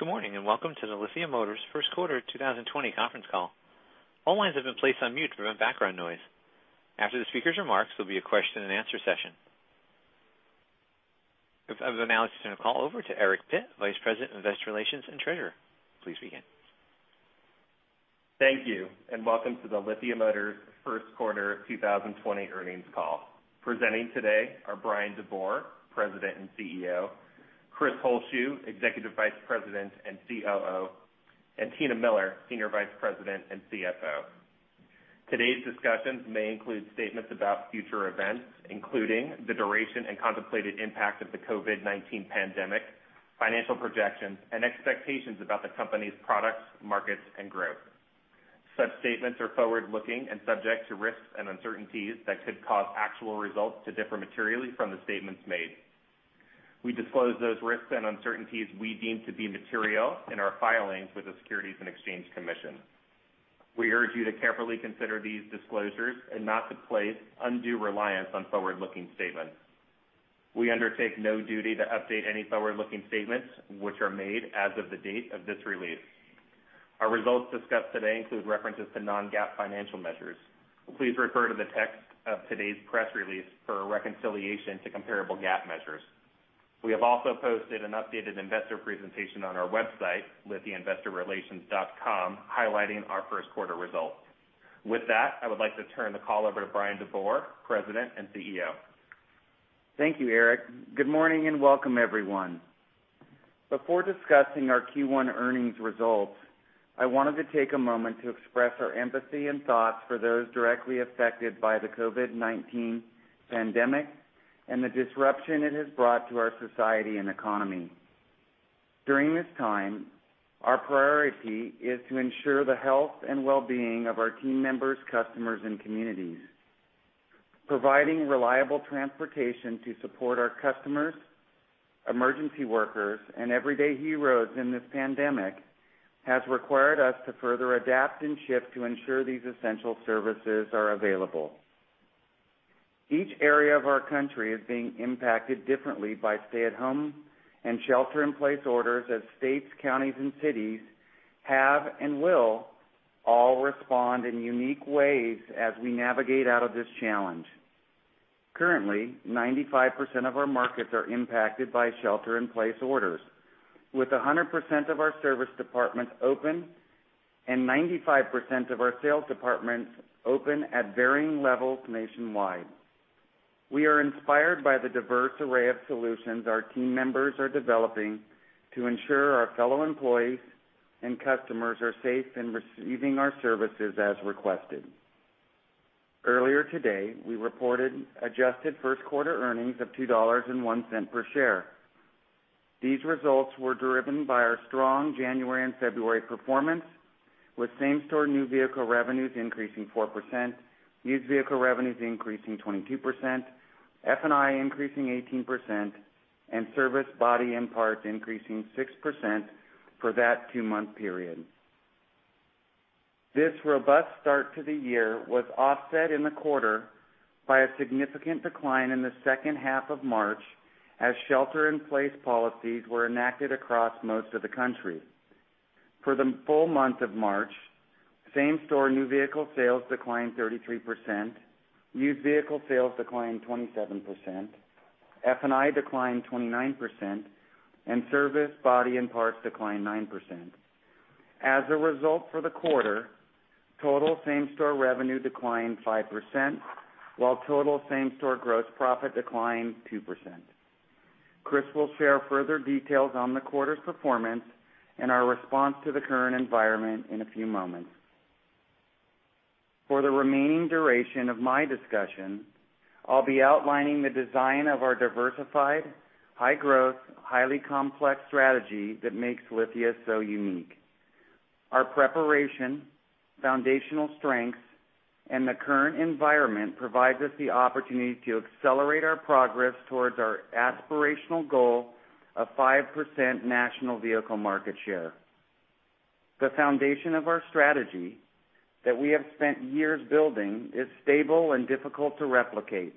Good morning and welcome to the Lithia Motors First Quarter 2020 conference call. All lines have been placed on mute for background noise. After the speaker's remarks, there'll be a question-and-answer session. I've now extended the call over to Eric Pitt, Vice President of Investor Relations and Treasurer. Please begin. Thank you and welcome to the Lithia Motors First Quarter 2020 earnings call. Presenting today are Bryan DeBoer, President and CEO, Chris Holzshu, Executive Vice President and COO, and Tina Miller, Senior Vice President and CFO. Today's discussions may include statements about future events, including the duration and contemplated impact of the COVID-19 pandemic, financial projections, and expectations about the company's products, markets, and growth. Such statements are forward-looking and subject to risks and uncertainties that could cause actual results to differ materially from the statements made. We disclose those risks and uncertainties we deem to be material in our filings with the Securities and Exchange Commission. We urge you to carefully consider these disclosures and not to place undue reliance on forward-looking statements. We undertake no duty to update any forward-looking statements which are made as of the date of this release. Our results discussed today include references to non-GAAP financial measures. Please refer to the text of today's press release for a reconciliation to comparable GAAP measures. We have also posted an updated investor presentation on our website, lithiainvestorrelations.com, highlighting our first quarter results. With that, I would like to turn the call over to Bryan DeBoer, President and CEO. Thank you, Eric. Good morning and welcome, everyone. Before discussing our Q1 earnings results, I wanted to take a moment to express our empathy and thoughts for those directly affected by the COVID-19 pandemic and the disruption it has brought to our society and economy. During this time, our priority is to ensure the health and well-being of our team members, customers, and communities. Providing reliable transportation to support our customers, emergency workers, and everyday heroes in this pandemic has required us to further adapt and shift to ensure these essential services are available. Each area of our country is being impacted differently by stay-at-home and shelter-in-place orders, as states, counties, and cities have, and will, all respond in unique ways as we navigate out of this challenge. Currently, 95% of our markets are impacted by shelter-in-place orders, with 100% of our service departments open and 95% of our sales departments open at varying levels nationwide. We are inspired by the diverse array of solutions our team members are developing to ensure our fellow employees and customers are safe in receiving our services as requested. Earlier today, we reported adjusted first quarter earnings of $2.01 per share. These results were driven by our strong January and February performance, with same-store new vehicle revenues increasing 4%, used vehicle revenues increasing 22%, F&I increasing 18%, and service body and parts increasing 6% for that two-month period. This robust start to the year was offset in the quarter by a significant decline in the second half of March as shelter-in-place policies were enacted across most of the country. For the full month of March, same-store new vehicle sales declined 33%, used vehicle sales declined 27%, F&I declined 29%, and service body and parts declined 9%. As a result for the quarter, total same-store revenue declined 5%, while total same-store gross profit declined 2%. Chris will share further details on the quarter's performance and our response to the current environment in a few moments. For the remaining duration of my discussion, I'll be outlining the design of our diversified, high-growth, highly complex strategy that makes Lithia so unique. Our preparation, foundational strengths, and the current environment provide us the opportunity to accelerate our progress towards our aspirational goal of 5% national vehicle market share. The foundation of our strategy that we have spent years building is stable and difficult to replicate.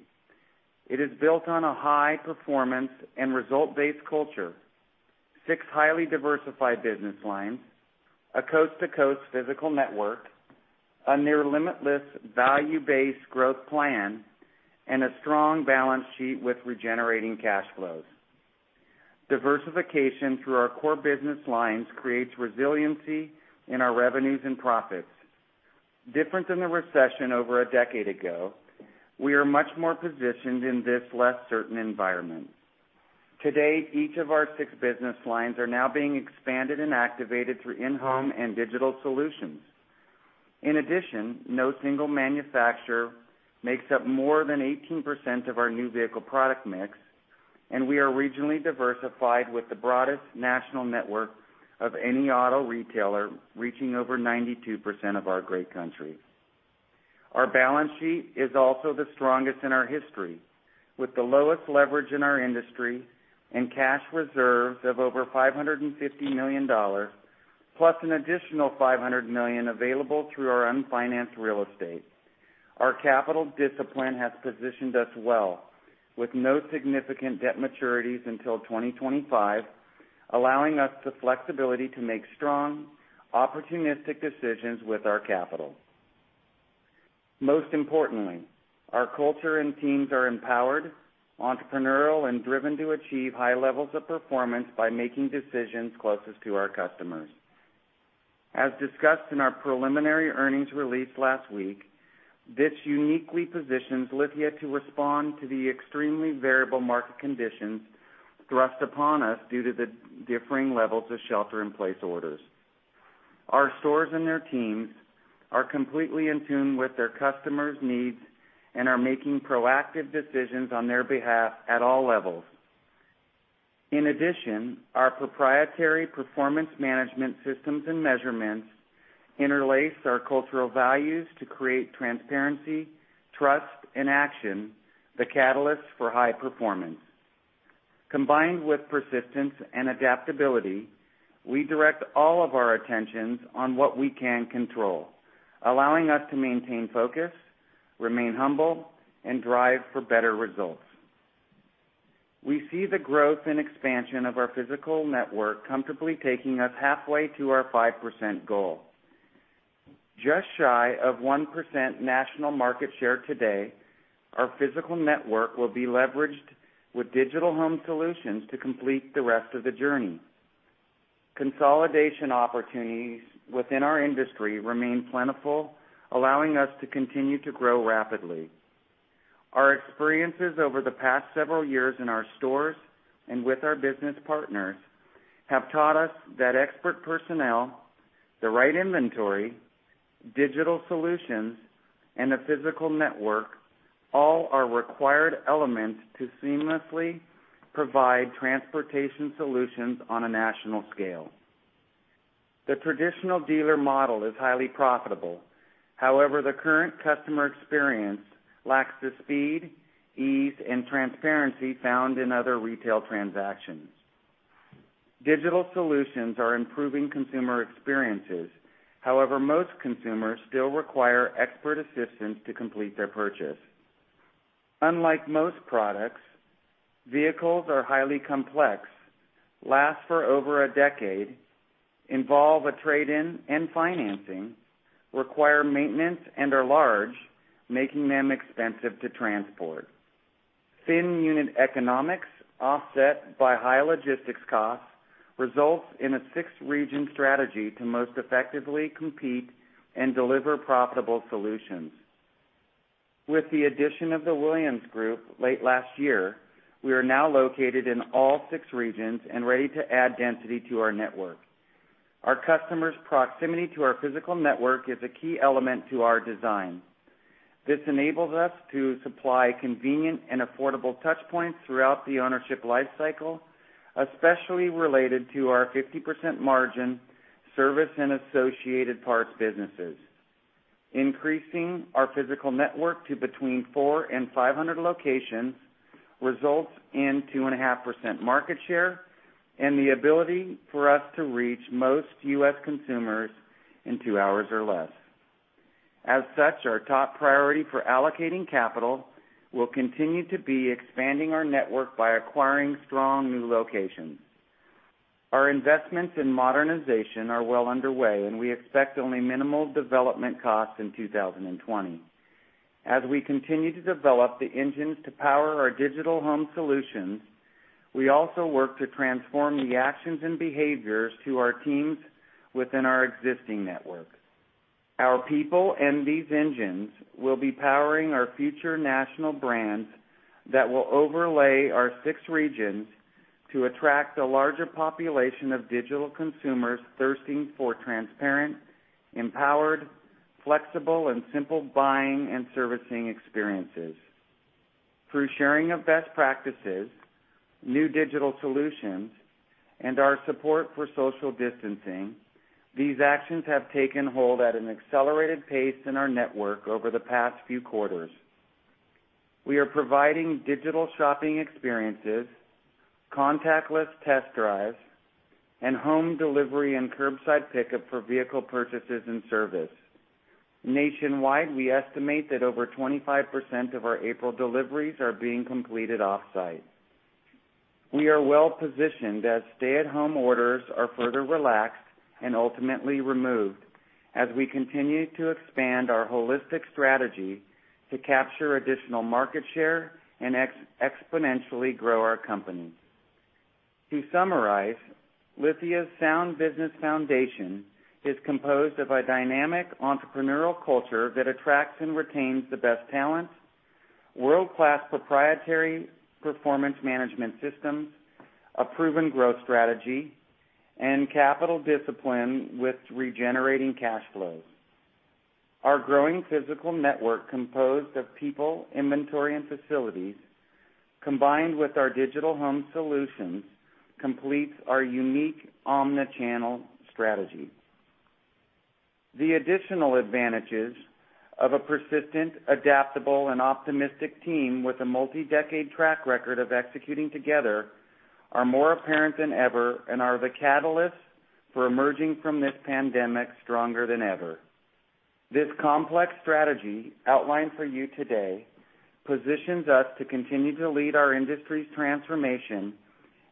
It is built on a high-performance and result-based culture, six highly diversified business lines, a coast-to-coast physical network, a near limitless value-based growth plan, and a strong balance sheet with regenerating cash flows. Diversification through our core business lines creates resiliency in our revenues and profits. Different than the recession over a decade ago, we are much more positioned in this less certain environment. Today, each of our six business lines is now being expanded and activated through in-home and digital solutions. In addition, no single manufacturer makes up more than 18% of our new vehicle product mix, and we are regionally diversified with the broadest national network of any auto retailer reaching over 92% of our great country. Our balance sheet is also the strongest in our history, with the lowest leverage in our industry and cash reserves of over $550 million, plus an additional $500 million available through our unfinanced real estate. Our capital discipline has positioned us well, with no significant debt maturities until 2025, allowing us the flexibility to make strong, opportunistic decisions with our capital. Most importantly, our culture and teams are empowered, entrepreneurial, and driven to achieve high levels of performance by making decisions closest to our customers. As discussed in our preliminary earnings release last week, this uniquely positions Lithia to respond to the extremely variable market conditions thrust upon us due to the differing levels of shelter-in-place orders. Our stores and their teams are completely in tune with their customers' needs and are making proactive decisions on their behalf at all levels. In addition, our proprietary performance management systems and measurements interlace our cultural values to create transparency, trust, and action, the catalysts for high performance. Combined with persistence and adaptability, we direct all of our attentions on what we can control, allowing us to maintain focus, remain humble, and drive for better results. We see the growth and expansion of our physical network comfortably taking us halfway to our 5% goal. Just shy of 1% national market share today, our physical network will be leveraged with digital home solutions to complete the rest of the journey. Consolidation opportunities within our industry remain plentiful, allowing us to continue to grow rapidly. Our experiences over the past several years in our stores and with our business partners have taught us that expert personnel, the right inventory, digital solutions, and a physical network all are required elements to seamlessly provide transportation solutions on a national scale. The traditional dealer model is highly profitable. However, the current customer experience lacks the speed, ease, and transparency found in other retail transactions. Digital solutions are improving consumer experiences. However, most consumers still require expert assistance to complete their purchase. Unlike most products, vehicles are highly complex, last for over a decade, involve a trade-in and financing, require maintenance, and are large, making them expensive to transport. Thin unit economics, offset by high logistics costs, results in a six-region strategy to most effectively compete and deliver profitable solutions. With the addition of the Williams Group late last year, we are now located in all six regions and ready to add density to our network. Our customers' proximity to our physical network is a key element to our design. This enables us to supply convenient and affordable touchpoints throughout the ownership lifecycle, especially related to our 50% margin service and associated parts businesses. Increasing our physical network to between 400 and 500 locations results in 2.5% market share and the ability for us to reach most U.S. consumers in two hours or less. As such, our top priority for allocating capital will continue to be expanding our network by acquiring strong new locations. Our investments in modernization are well underway, and we expect only minimal development costs in 2020. As we continue to develop the engines to power our digital home solutions, we also work to transform the actions and behaviors to our teams within our existing network. Our people and these engines will be powering our future national brands that will overlay our six regions to attract a larger population of digital consumers thirsting for transparent, empowered, flexible, and simple buying and servicing experiences. Through sharing of best practices, new digital solutions, and our support for social distancing, these actions have taken hold at an accelerated pace in our network over the past few quarters. We are providing digital shopping experiences, contactless test drives, and home delivery and curbside pickup for vehicle purchases and service. Nationwide, we estimate that over 25% of our April deliveries are being completed offsite. We are well positioned as stay-at-home orders are further relaxed and ultimately removed as we continue to expand our holistic strategy to capture additional market share and exponentially grow our company. To summarize, Lithia's sound business foundation is composed of a dynamic entrepreneurial culture that attracts and retains the best talent, world-class proprietary performance management systems, a proven growth strategy, and capital discipline with regenerating cash flows. Our growing physical network composed of people, inventory, and facilities, combined with our digital home solutions, completes our unique omnichannel strategy. The additional advantages of a persistent, adaptable, and optimistic team with a multi-decade track record of executing together are more apparent than ever and are the catalyst for emerging from this pandemic stronger than ever. This complex strategy outlined for you today positions us to continue to lead our industry's transformation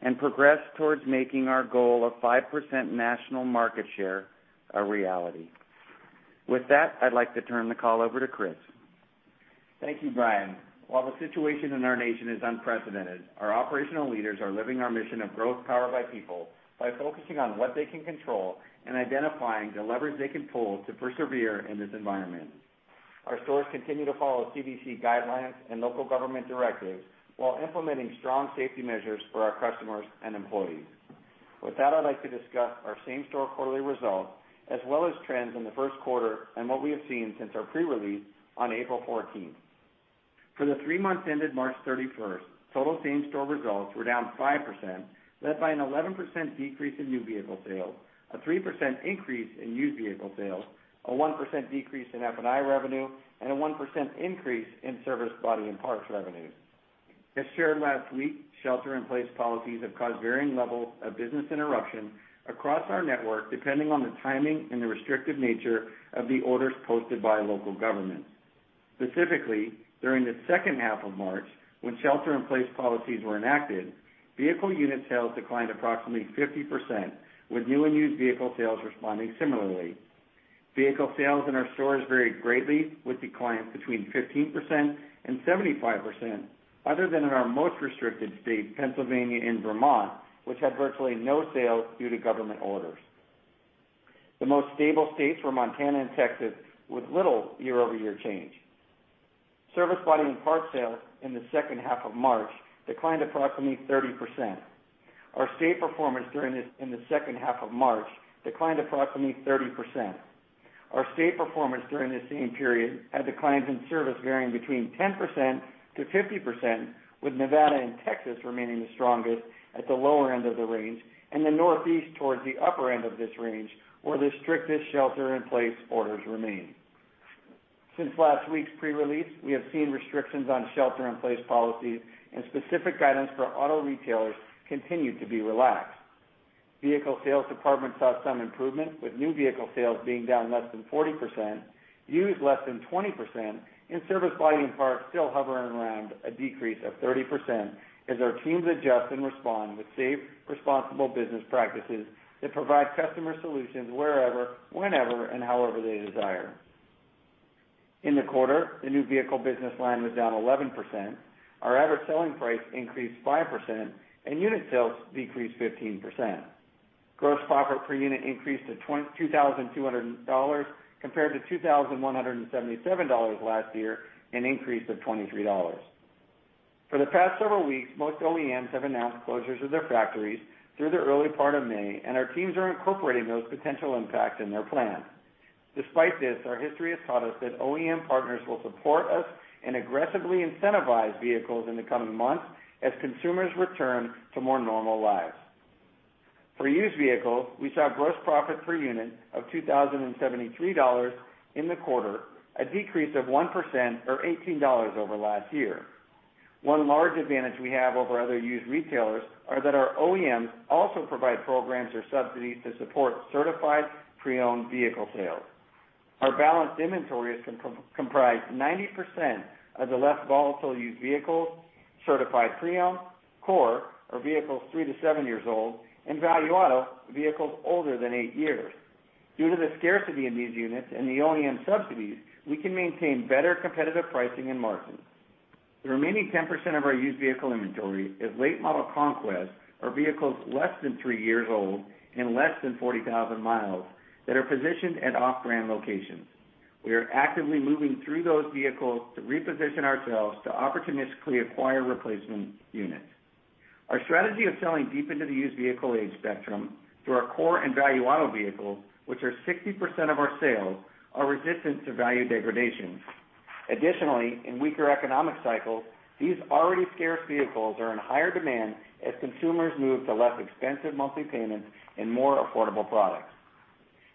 and progress towards making our goal of 5% national market share a reality. With that, I'd like to turn the call over to Chris. Thank you, Bryan. While the situation in our nation is unprecedented, our operational leaders are living our mission of Growth Powered by People by focusing on what they can control and identifying the levers they can pull to persevere in this environment. Our stores continue to follow CDC guidelines and local government directives while implementing strong safety measures for our customers and employees. With that, I'd like to discuss our same-store quarterly results as well as trends in the first quarter and what we have seen since our pre-release on April 14th. For the three months ended March 31st, total same-store results were down 5%, led by an 11% decrease in new vehicle sales, a 3% increase in used vehicle sales, a 1% decrease in F&I revenue, and a 1% increase in service body and parts revenues. As shared last week, shelter-in-place policies have caused varying levels of business interruption across our network depending on the timing and the restrictive nature of the orders posted by local governments. Specifically, during the second half of March, when shelter-in-place policies were enacted, vehicle unit sales declined approximately 50%, with new and used vehicle sales responding similarly. Vehicle sales in our stores varied greatly, with declines between 15% and 75%, other than in our most restricted states, Pennsylvania and Vermont, which had virtually no sales due to government orders. The most stable states were Montana and Texas, with little year-over-year change. Service, body and parts sales in the second half of March declined approximately 30%. Our state performance during this same period had declines in service varying between 10%-50%, with Nevada and Texas remaining the strongest at the lower end of the range and the Northeast towards the upper end of this range where the strictest shelter-in-place orders remain. Since last week's pre-release, we have seen restrictions on shelter-in-place policies and specific guidance for auto retailers continue to be relaxed. Vehicle sales department saw some improvement, with new vehicle sales being down less than 40%, used less than 20%, and service body and parts still hovering around a decrease of 30% as our teams adjust and respond with safe, responsible business practices that provide customer solutions wherever, whenever, and however they desire. In the quarter, the new vehicle business line was down 11%, our average selling price increased 5%, and unit sales decreased 15%. Gross profit per unit increased to $2,200 compared to $2,177 last year, an increase of $23. For the past several weeks, most OEMs have announced closures of their factories through the early part of May, and our teams are incorporating those potential impacts in their plan. Despite this, our history has taught us that OEM partners will support us and aggressively incentivize vehicles in the coming months as consumers return to more normal lives. For used vehicles, we saw gross profit per unit of $2,073 in the quarter, a decrease of 1% or $18 over last year. One large advantage we have over other used retailers is that our OEMs also provide programs or subsidies to support certified pre-owned vehicle sales. Our balanced inventory comprised 90% of the less volatile used vehicles, certified pre-owned, core, or vehicles three to seven years old, and Value Auto, vehicles older than eight years. Due to the scarcity in these units and the OEM subsidies, we can maintain better competitive pricing and margins. The remaining 10% of our used vehicle inventory is late model conquests or vehicles less than three years old and less than 40,000 miles that are positioned at off-brand locations. We are actively moving through those vehicles to reposition ourselves to opportunistically acquire replacement units. Our strategy of selling deep into the used vehicle age spectrum through our core and Value Auto vehicles, which are 60% of our sales, are resistant to value degradation. Additionally, in weaker economic cycles, these already scarce vehicles are in higher demand as consumers move to less expensive monthly payments and more affordable products.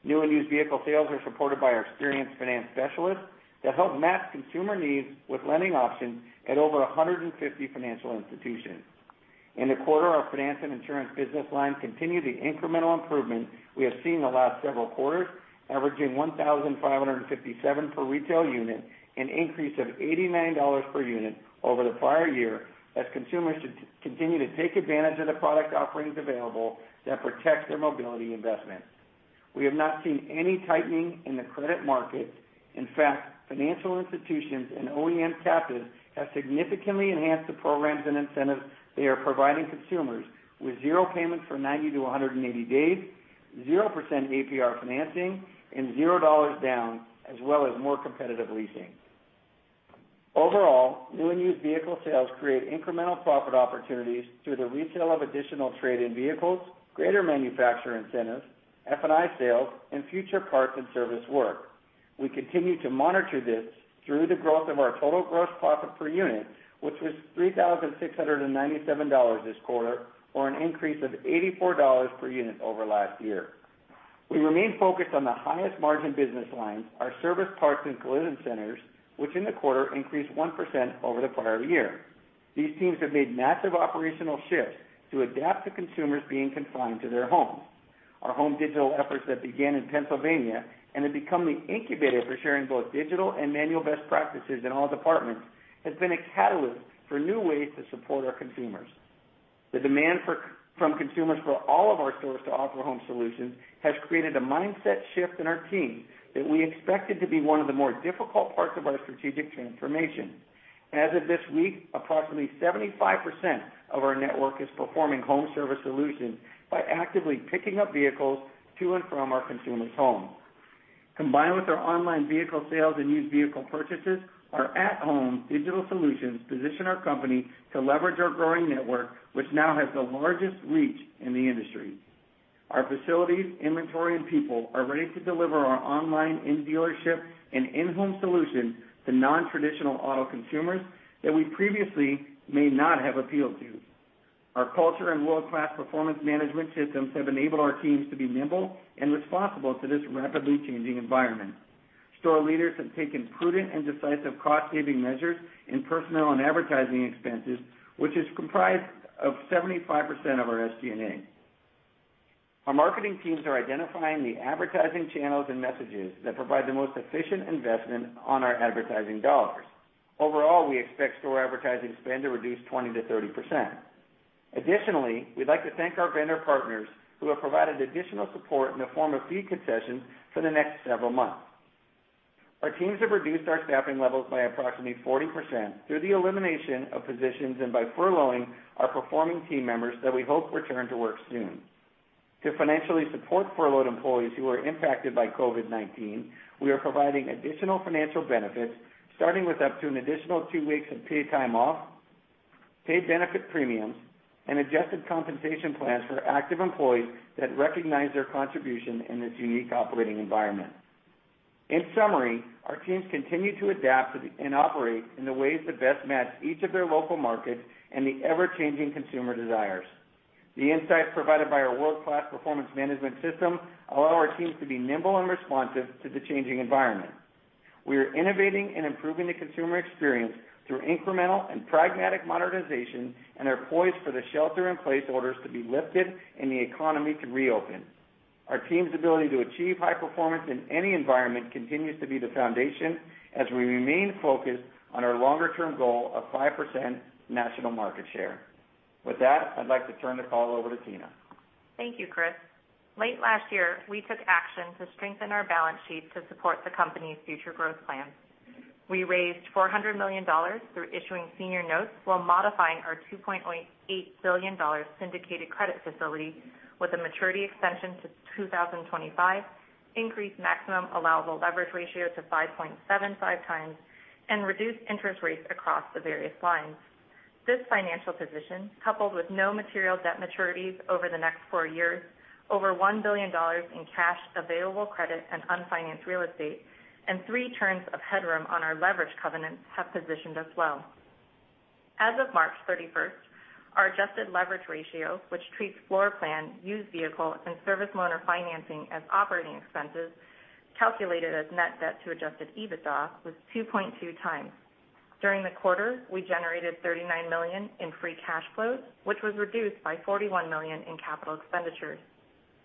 New and used vehicle sales are supported by our experienced finance specialists that help match consumer needs with lending options at over 150 financial institutions. In the quarter, our finance and insurance business line continued the incremental improvement we have seen the last several quarters, averaging $1,557 per retail unit, an increase of $89 per unit over the prior year as consumers continue to take advantage of the product offerings available that protect their mobility investment. We have not seen any tightening in the credit market. In fact, financial institutions and OEM captives have significantly enhanced the programs and incentives they are providing consumers with zero payments for 90 days-180 days, 0% APR financing, and $0 down, as well as more competitive leasing. Overall, new and used vehicle sales create incremental profit opportunities through the resale of additional trade-in vehicles, greater manufacturer incentives, F&I sales, and future parts and service work. We continue to monitor this through the growth of our total gross profit per unit, which was $3,697 this quarter, or an increase of $84 per unit over last year. We remain focused on the highest margin business lines, our service parts and collision centers, which in the quarter increased 1% over the prior year. These teams have made massive operational shifts to adapt to consumers being confined to their homes. Our home digital efforts that began in Pennsylvania and have become the incubator for sharing both digital and manual best practices in all departments have been a catalyst for new ways to support our consumers. The demand from consumers for all of our stores to offer home solutions has created a mindset shift in our teams that we expected to be one of the more difficult parts of our strategic transformation. As of this week, approximately 75% of our network is performing home service solutions by actively picking up vehicles to and from our consumers' homes. Combined with our online vehicle sales and used vehicle purchases, our at-home digital solutions position our company to leverage our growing network, which now has the largest reach in the industry. Our facilities, inventory, and people are ready to deliver our online in-dealership and in-home solutions to non-traditional auto consumers that we previously may not have appealed to. Our culture and world-class performance management systems have enabled our teams to be nimble and responsible to this rapidly changing environment. Store leaders have taken prudent and decisive cost-saving measures in personnel and advertising expenses, which is comprised of 75% of our SG&A. Our marketing teams are identifying the advertising channels and messages that provide the most efficient investment on our advertising dollars. Overall, we expect store advertising spend to reduce 20%-30%. Additionally, we'd like to thank our vendor partners who have provided additional support in the form of fee concessions for the next several months. Our teams have reduced our staffing levels by approximately 40% through the elimination of positions and by furloughing our performing team members that we hope return to work soon. To financially support furloughed employees who are impacted by COVID-19, we are providing additional financial benefits starting with up to an additional two weeks of paid time off, paid benefit premiums, and adjusted compensation plans for active employees that recognize their contribution in this unique operating environment. In summary, our teams continue to adapt and operate in the ways that best match each of their local markets and the ever-changing consumer desires. The insights provided by our world-class performance management system allow our teams to be nimble and responsive to the changing environment. We are innovating and improving the consumer experience through incremental and pragmatic modernization and are poised for the shelter-in-place orders to be lifted and the economy to reopen. Our team's ability to achieve high performance in any environment continues to be the foundation as we remain focused on our longer-term goal of 5% national market share. With that, I'd like to turn the call over to Tina. Thank you, Chris. Late last year, we took action to strengthen our balance sheet to support the company's future growth plan. We raised $400 million through issuing senior notes while modifying our $2.8 billion syndicated credit facility with a maturity extension to 2025, increased maximum allowable leverage ratio to 5.75x, and reduced interest rates across the various lines. This financial position, coupled with no material debt maturities over the next four years, over $1 billion in cash available credit and unfinanced real estate, and three turns of headroom on our leverage covenants have positioned us well. As of March 31st, our adjusted leverage ratio, which treats floor plan, used vehicle, and service loaner financing as operating expenses, calculated as net debt to adjusted EBITDA, was 2.2x. During the quarter, we generated $39 million in free cash flows, which was reduced by $41 million in capital expenditures.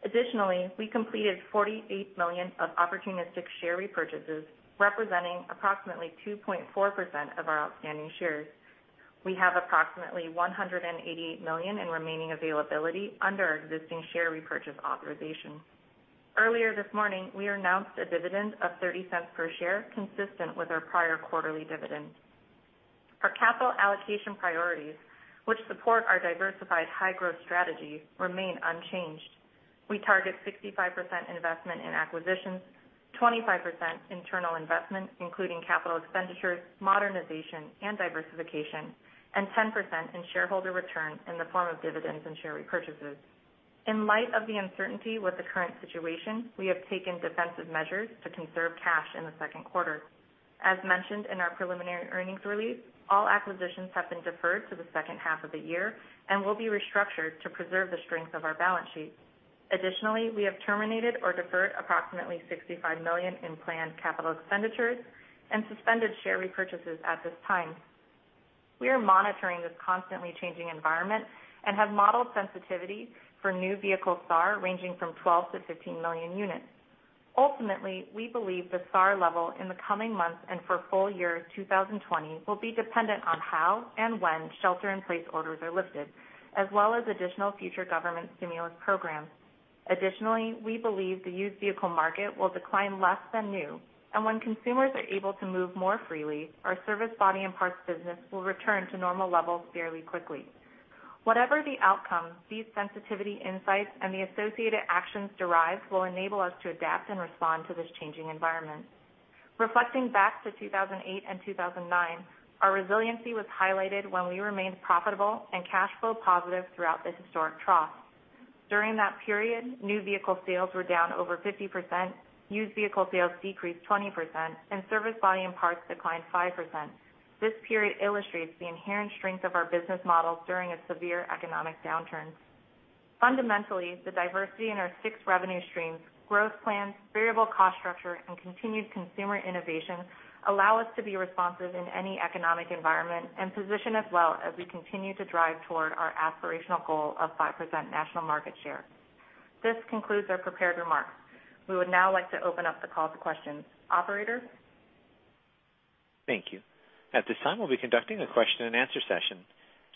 Additionally, we completed $48 million of opportunistic share repurchases, representing approximately 2.4% of our outstanding shares. We have approximately $188 million in remaining availability under our existing share repurchase authorization. Earlier this morning, we announced a dividend of $0.30 per share, consistent with our prior quarterly dividend. Our capital allocation priorities, which support our diversified high-growth strategy, remain unchanged. We target 65% investment in acquisitions, 25% internal investment, including capital expenditures, modernization, and diversification, and 10% in shareholder returns in the form of dividends and share repurchases. In light of the uncertainty with the current situation, we have taken defensive measures to conserve cash in the second quarter. As mentioned in our preliminary earnings release, all acquisitions have been deferred to the second half of the year and will be restructured to preserve the strength of our balance sheet. Additionally, we have terminated or deferred approximately $65 million in planned capital expenditures and suspended share repurchases at this time. We are monitoring this constantly changing environment and have modeled sensitivity for new vehicle SAAR ranging from 12 million-15 million units. Ultimately, we believe the SAAR level in the coming months and for full year 2020 will be dependent on how and when shelter-in-place orders are lifted, as well as additional future government stimulus programs. Additionally, we believe the used vehicle market will decline less than new, and when consumers are able to move more freely, our service, body and parts business will return to normal levels fairly quickly. Whatever the outcome, these sensitivity insights and the associated actions derived will enable us to adapt and respond to this changing environment. Reflecting back to 2008 and 2009, our resiliency was highlighted when we remained profitable and cash flow positive throughout the historic trough. During that period, new vehicle sales were down over 50%, used vehicle sales decreased 20%, and service body and parts declined 5%. This period illustrates the inherent strength of our business model during a severe economic downturn. Fundamentally, the diversity in our six revenue streams, growth plans, variable cost structure, and continued consumer innovation allow us to be responsive in any economic environment and position as well as we continue to drive toward our aspirational goal of 5% national market share. This concludes our prepared remarks. We would now like to open up the call to questions. Operator? Thank you. At this time, we'll be conducting a question-and-answer session.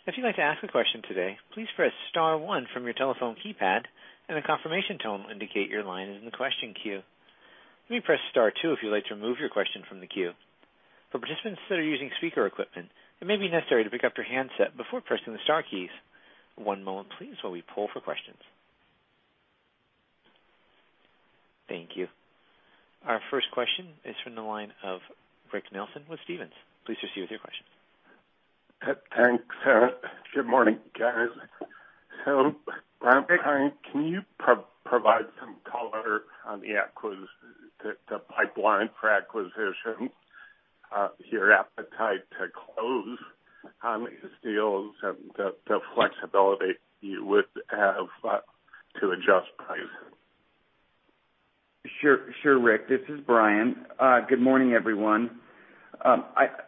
If you'd like to ask a question today, please press Star 1 from your telephone keypad, and a confirmation tone will indicate your line is in the question queue. You may press Star 2 if you'd like to remove your question from the queue. For participants that are using speaker equipment, it may be necessary to pick up your handset before pressing the Star keys. One moment, please, while we pull for questions. Thank you. Our first question is from the line of Rick Nelson with Stephens. Please proceed with your questions. Thanks. Good morning, guys. So can you provide some color on the pipeline for acquisition, your appetite to close on these deals, and the flexibility you would have to adjust price? Sure, sure, Rick. This is Bryan. Good morning, everyone.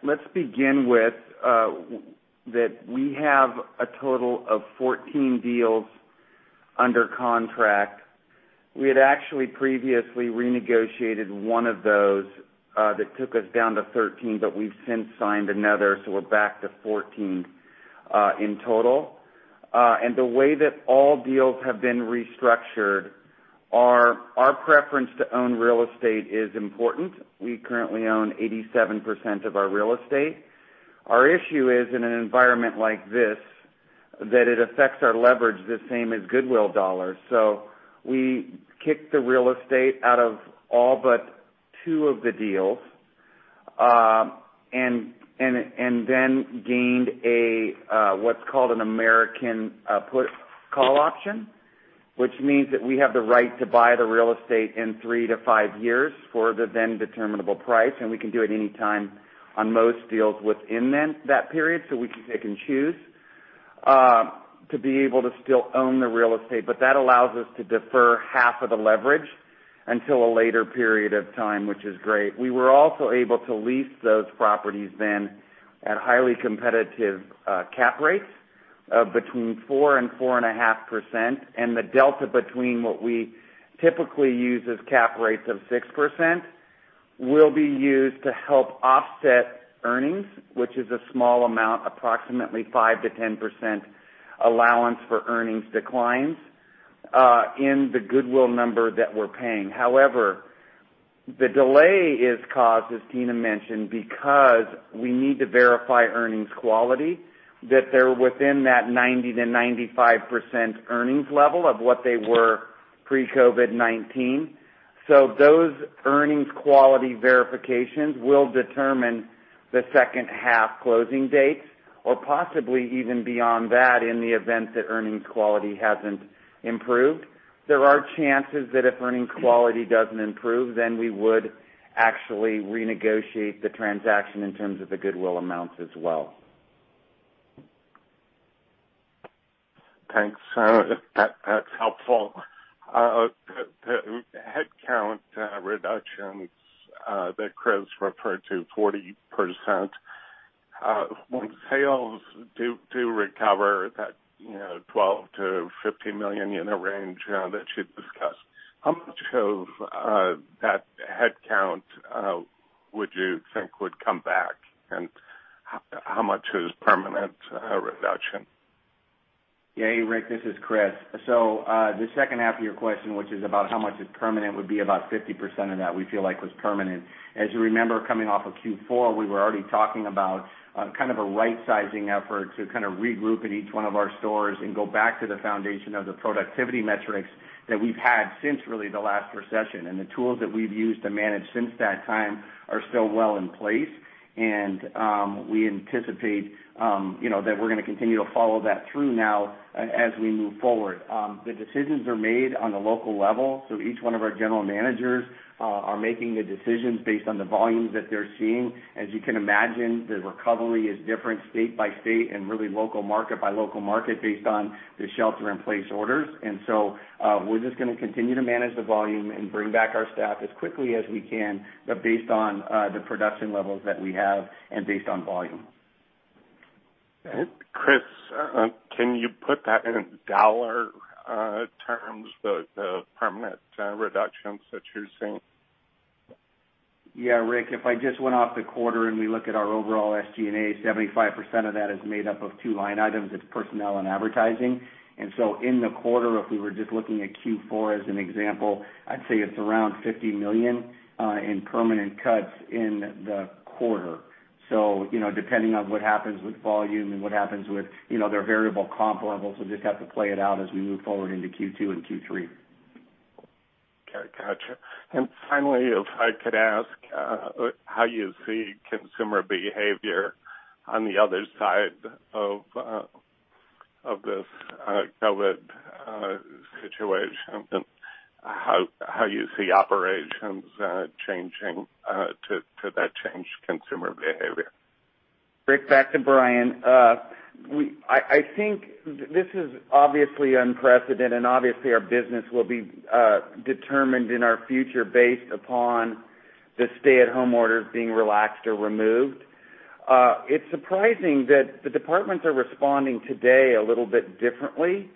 Let's begin with that we have a total of 14 deals under contract. We had actually previously renegotiated one of those that took us down to 13, but we've since signed another, so we're back to 14 in total. And the way that all deals have been restructured, our preference to own real estate is important. We currently own 87% of our real estate. Our issue is, in an environment like this, that it affects our leverage the same as goodwill dollars. We kicked the real estate out of all but two of the deals and then gained what's called an American Put/Call Option, which means that we have the right to buy the real estate in three-to-five years for the then determinable price, and we can do it anytime on most deals within that period, so we can pick and choose to be able to still own the real estate. But that allows us to defer half of the leverage until a later period of time, which is great. We were also able to lease those properties then at highly competitive cap rates of between 4% and 4.5%, and the delta between what we typically use as cap rates of 6% will be used to help offset earnings, which is a small amount, approximately 5%-10% allowance for earnings declines in the goodwill number that we're paying. However, the delay is caused, as Tina mentioned, because we need to verify earnings quality, that they're within that 90%-95% earnings level of what they were pre-COVID-19. So those earnings quality verifications will determine the second half closing dates or possibly even beyond that in the event that earnings quality hasn't improved. There are chances that if earnings quality doesn't improve, then we would actually renegotiate the transaction in terms of the goodwill amounts as well. Thanks. That's helpful. Headcount reductions that Chris referred to, 40%. When sales do recover, that 12 million-15 million unit range that you discussed, how much of that headcount would you think would come back, and how much is permanent reduction? Yeah, hey, Rick, this is Chris, so the second half of your question, which is about how much is permanent, would be about 50% of that we feel like was permanent, as you remember, coming off of Q4, we were already talking about kind of a right-sizing effort to kind of regroup in each one of our stores and go back to the foundation of the productivity metrics that we've had since really the last recession, and the tools that we've used to manage since that time are still well in place, and we anticipate that we're going to continue to follow that through now as we move forward. The decisions are made on a local level, so each one of our general managers are making the decisions based on the volumes that they're seeing. As you can imagine, the recovery is different state by state and really local market by local market based on the shelter-in-place orders, and so we're just going to continue to manage the volume and bring back our staff as quickly as we can, but based on the production levels that we have and based on volume. Chris, can you put that in dollar terms, the permanent reductions that you're seeing? Yeah, Rick, if I just went off the quarter and we look at our overall SG&A, 75% of that is made up of two line items. It's personnel and advertising. And so in the quarter, if we were just looking at Q4 as an example, I'd say it's around $50 million in permanent cuts in the quarter. So depending on what happens with volume and what happens with their variable comp levels, we'll just have to play it out as we move forward into Q2 and Q3. Okay, gotcha. And finally, if I could ask how you see consumer behavior on the other side of this COVID situation and how you see operations changing to that changed consumer behavior? Rick, back to Bryan. I think this is obviously unprecedented, and obviously our business will be determined in our future based upon the stay-at-home orders being relaxed or removed. It's surprising that the departments are responding today a little bit differently,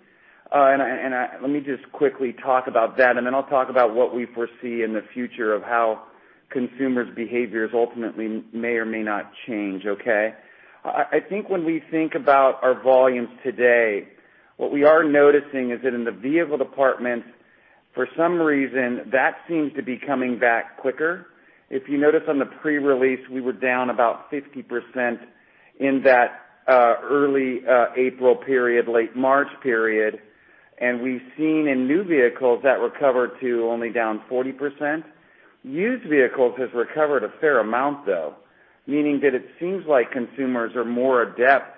and let me just quickly talk about that, and then I'll talk about what we foresee in the future of how consumers' behaviors ultimately may or may not change, okay? I think when we think about our volumes today, what we are noticing is that in the vehicle department, for some reason, that seems to be coming back quicker. If you notice on the pre-release, we were down about 50% in that early April period, late March period, and we've seen in new vehicles that recover to only down 40%. Used vehicles have recovered a fair amount, though, meaning that it seems like consumers are more adept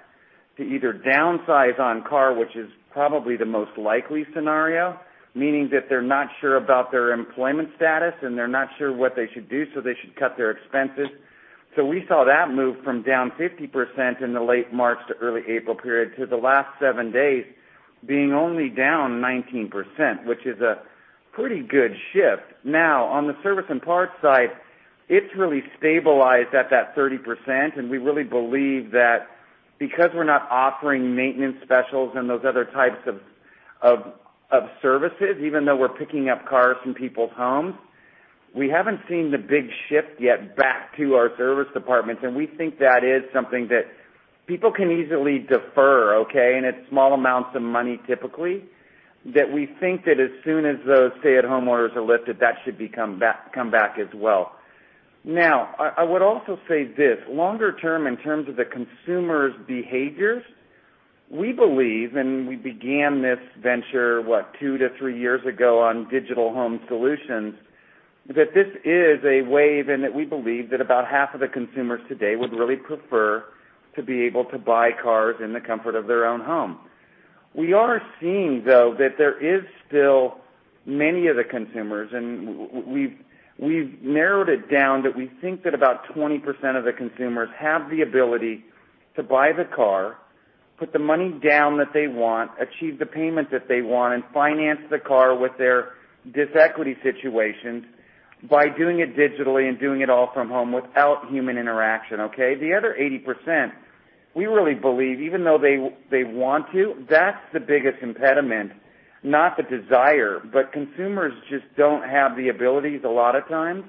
to either downsize on car, which is probably the most likely scenario, meaning that they're not sure about their employment status and they're not sure what they should do, so they should cut their expenses. So we saw that move from down 50% in the late March to early April period to the last seven days being only down 19%, which is a pretty good shift. Now, on the service and parts side, it's really stabilized at that 30%, and we really believe that because we're not offering maintenance specials and those other types of services, even though we're picking up cars from people's homes, we haven't seen the big shift yet back to our service departments. We think that is something that people can easily defer, okay, and it's small amounts of money typically, that we think that as soon as those stay-at-home orders are lifted, that should come back as well. Now, I would also say this: longer term, in terms of the consumers' behaviors, we believe, and we began this venture, what, two to three years ago on digital home solutions, that this is a wave and that we believe that about half of the consumers today would really prefer to be able to buy cars in the comfort of their own home. We are seeing, though, that there is still many of the consumers, and we've narrowed it down that we think that about 20% of the consumers have the ability to buy the car, put the money down that they want, achieve the payment that they want, and finance the car with their disequity situations by doing it digitally and doing it all from home without human interaction, okay? The other 80%, we really believe, even though they want to, that's the biggest impediment, not the desire, but consumers just don't have the abilities a lot of times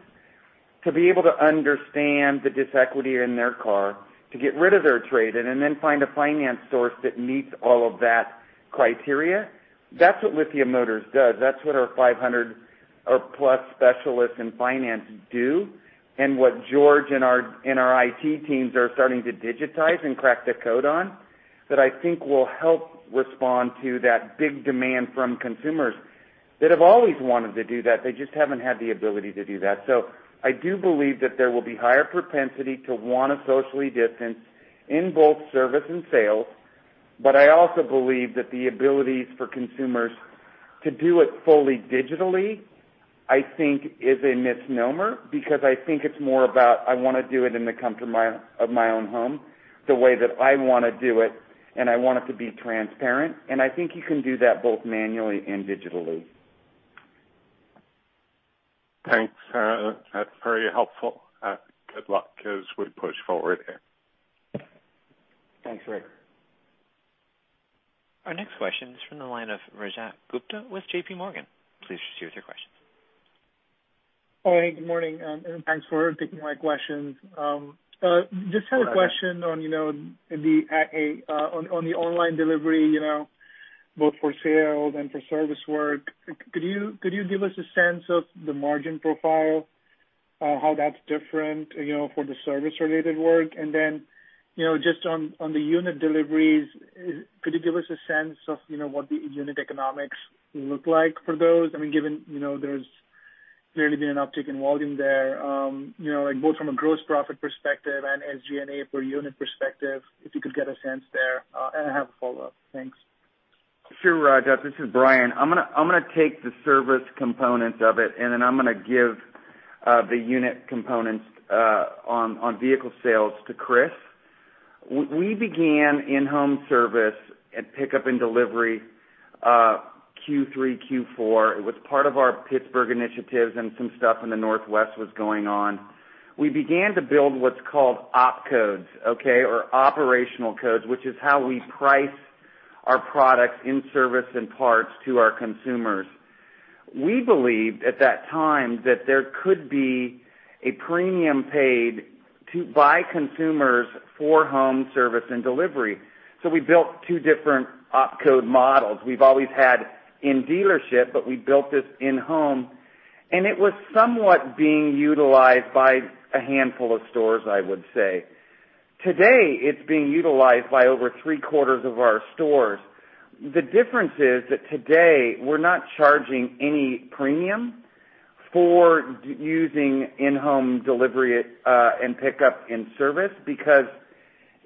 to be able to understand the disequity in their car, to get rid of their trade-in, and then find a finance source that meets all of that criteria. That's what Lithia Motors does. That's what our 500+ specialists in finance do and what George and our IT teams are starting to digitize and crack the code on, that I think will help respond to that big demand from consumers that have always wanted to do that. They just haven't had the ability to do that, so I do believe that there will be higher propensity to want to socially distance in both service and sales, but I also believe that the abilities for consumers to do it fully digitally, I think, is a misnomer because I think it's more about, "I want to do it in the comfort of my own home the way that I want to do it, and I want it to be transparent," and I think you can do that both manually and digitally. Thanks. That's very helpful. Good luck as we push forward here. Thanks, Rick. Our next question is from the line of Rajat Gupta with JPMorgan. Please proceed with your questions. Hi, good morning, and thanks for taking my questions. Just had a question on the online delivery, both for sales and for service work. Could you give us a sense of the margin profile, how that's different for the service-related work? And then just on the unit deliveries, could you give us a sense of what the unit economics look like for those? I mean, given there's clearly been an uptick in volume there, both from a gross profit perspective and SG&A per unit perspective, if you could get a sense there and have a follow-up. Thanks. Sure, Rajat. This is Bryan. I'm going to take the service components of it, and then I'm going to give the unit components on vehicle sales to Chris. We began in-home service at pickup and delivery Q3, Q4. It was part of our Pittsburgh initiatives, and some stuff in the Northwest was going on. We began to build what's called op codes, okay, or operational codes, which is how we price our products in service and parts to our consumers. We believed at that time that there could be a premium paid to buy consumers for home service and delivery. So we built two different op code models. We've always had in dealership, but we built this in-home, and it was somewhat being utilized by a handful of stores, I would say. Today, it's being utilized by over 3/4 of our stores. The difference is that today we're not charging any premium for using in-home delivery and pickup and service because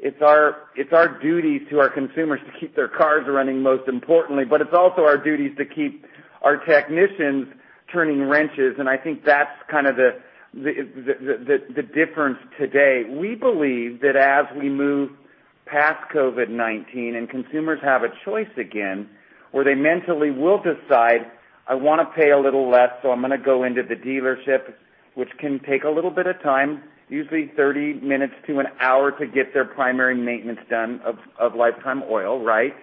it's our duty to our consumers to keep their cars running, most importantly, but it's also our duties to keep our technicians turning wrenches. And I think that's kind of the difference today. We believe that as we move past COVID-19 and consumers have a choice again where they mentally will decide, "I want to pay a little less, so I'm going to go into the dealership," which can take a little bit of time, usually 30 minutes to an hour, to get their primary maintenance done of lifetime oil, right?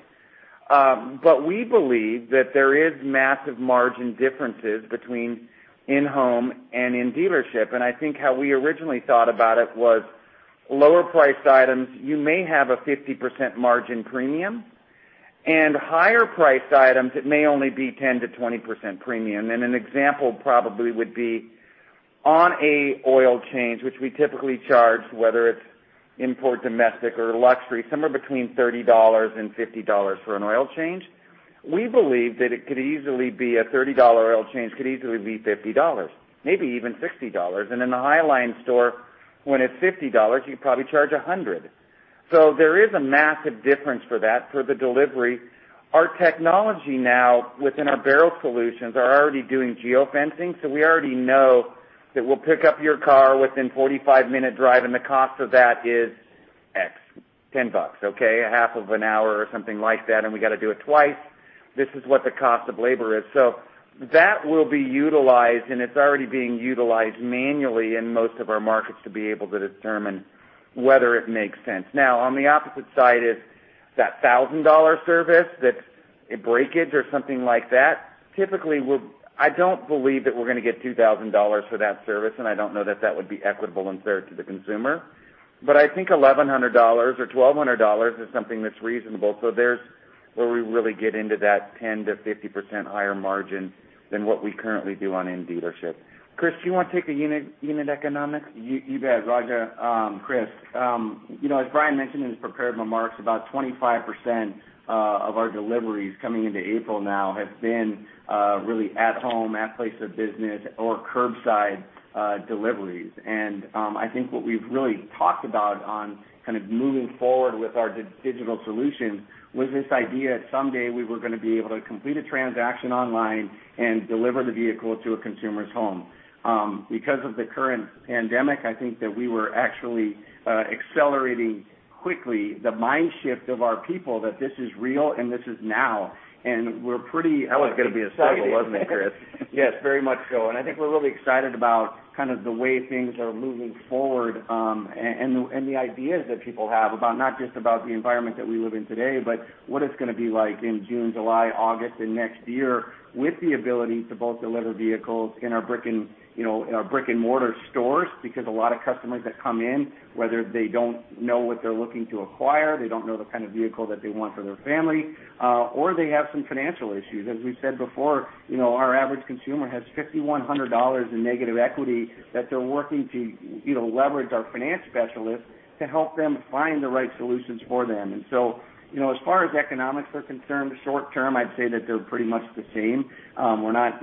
But we believe that there are massive margin differences between in-home and in dealership. I think how we originally thought about it was lower-priced items. You may have a 50% margin premium, and higher-priced items, it may only be 10%-20% premium. An example probably would be on an oil change, which we typically charge, whether it's import, domestic, or luxury, somewhere between $30 and $50 for an oil change. We believe that it could easily be a $30 oil change could easily be $50, maybe even $60. In the high-line store, when it's $50, you could probably charge $100. There is a massive difference for that for the delivery. Our technology now within our barrel solutions is already doing geofencing, so we already know that we'll pick up your car within a 45-minute drive, and the cost of that is, say, $10, okay, half an hour or something like that, and we got to do it twice. This is what the cost of labor is. So that will be utilized, and it's already being utilized manually in most of our markets to be able to determine whether it makes sense. Now, on the opposite side is that $1,000 service that's a breakage or something like that. Typically, I don't believe that we're going to get $2,000 for that service, and I don't know that that would be equitable and fair to the consumer. But I think $1,100 or $1,200 is something that's reasonable. So there's where we really get into that 10%-50% higher margin than what we currently do on in dealership. Chris, do you want to take a unit economics? You bet, Rajat. Chris, as Bryan mentioned in his prepared remarks, about 25% of our deliveries coming into April now have been really at home, at place of business, or curbside deliveries. And I think what we've really talked about on kind of moving forward with our digital solutions was this idea that someday we were going to be able to complete a transaction online and deliver the vehicle to a consumer's home. Because of the current pandemic, I think that we were actually accelerating quickly the mind shift of our people that this is real and this is now, and we're pretty. Yes, very much so. I think we're really excited about kind of the way things are moving forward and the ideas that people have about not just about the environment that we live in today, but what it's going to be like in June, July, August, and next year with the ability to both deliver vehicles in our brick-and-mortar stores because a lot of customers that come in, whether they don't know what they're looking to acquire, they don't know the kind of vehicle that they want for their family, or they have some financial issues. As we said before, our average consumer has $5,100 in negative equity that they're working to leverage our finance specialists to help them find the right solutions for them. So as far as economics are concerned, short term, I'd say that they're pretty much the same.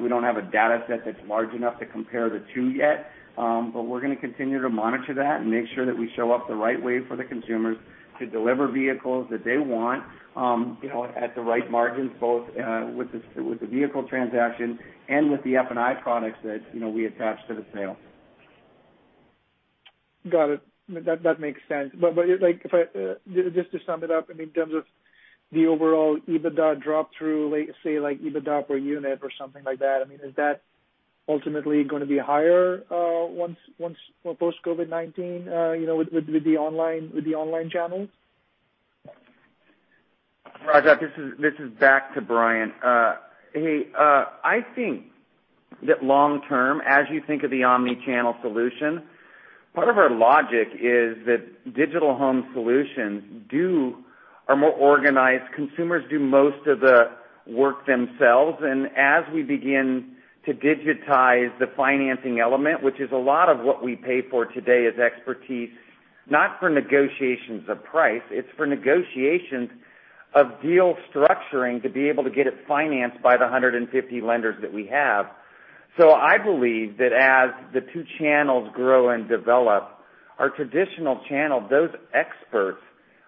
We don't have a data set that's large enough to compare the two yet, but we're going to continue to monitor that and make sure that we show up the right way for the consumers to deliver vehicles that they want at the right margins both with the vehicle transaction and with the F&I products that we attach to the sale. Got it. That makes sense. But just to sum it up, I mean, in terms of the overall EBITDA drop-through, say like EBITDA per unit or something like that, I mean, is that ultimately going to be higher post-COVID-19 with the online channels? Rajat, this is back to Bryan. Hey, I think that long term, as you think of the omnichannel solution, part of our logic is that digital home solutions are more organized. Consumers do most of the work themselves. And as we begin to digitize the financing element, which is a lot of what we pay for today as expertise, not for negotiations of price, it's for negotiations of deal structuring to be able to get it financed by the 150 lenders that we have. So I believe that as the two channels grow and develop, our traditional channel, those experts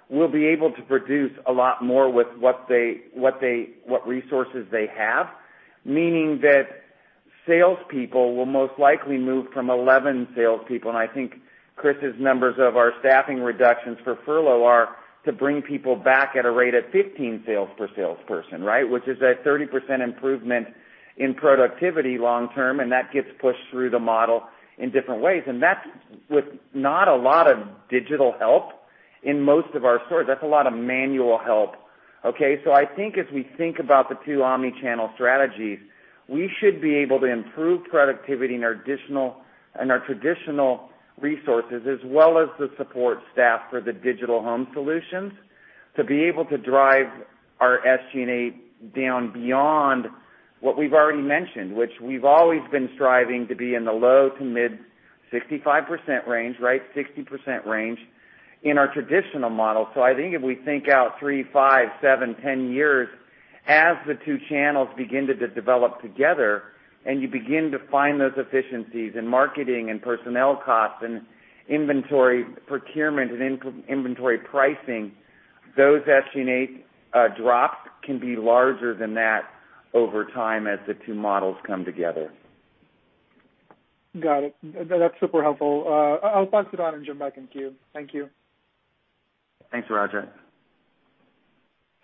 will be able to produce a lot more with what resources they have, meaning that salespeople will most likely move from 11 salespeople. And I think Chris's numbers of our staffing reductions for furlough are to bring people back at a rate of 15 sales per salesperson, right, which is a 30% improvement in productivity long term, and that gets pushed through the model in different ways. And that's with not a lot of digital help in most of our stores. That's a lot of manual help, okay? So I think as we think about the two omnichannel strategies, we should be able to improve productivity in our traditional resources as well as the support staff for the digital home solutions to be able to drive our SG&A down beyond what we've already mentioned, which we've always been striving to be in the low to mid 65% range, right, 60% range in our traditional model. I think if we think out three, five, seven, 10 years, as the two channels begin to develop together and you begin to find those efficiencies in marketing and personnel costs and inventory procurement and inventory pricing, those SG&A drops can be larger than that over time as the two models come together. Got it. That's super helpful. I'll pass it on and jump back in queue. Thank you. Thanks, Rajat.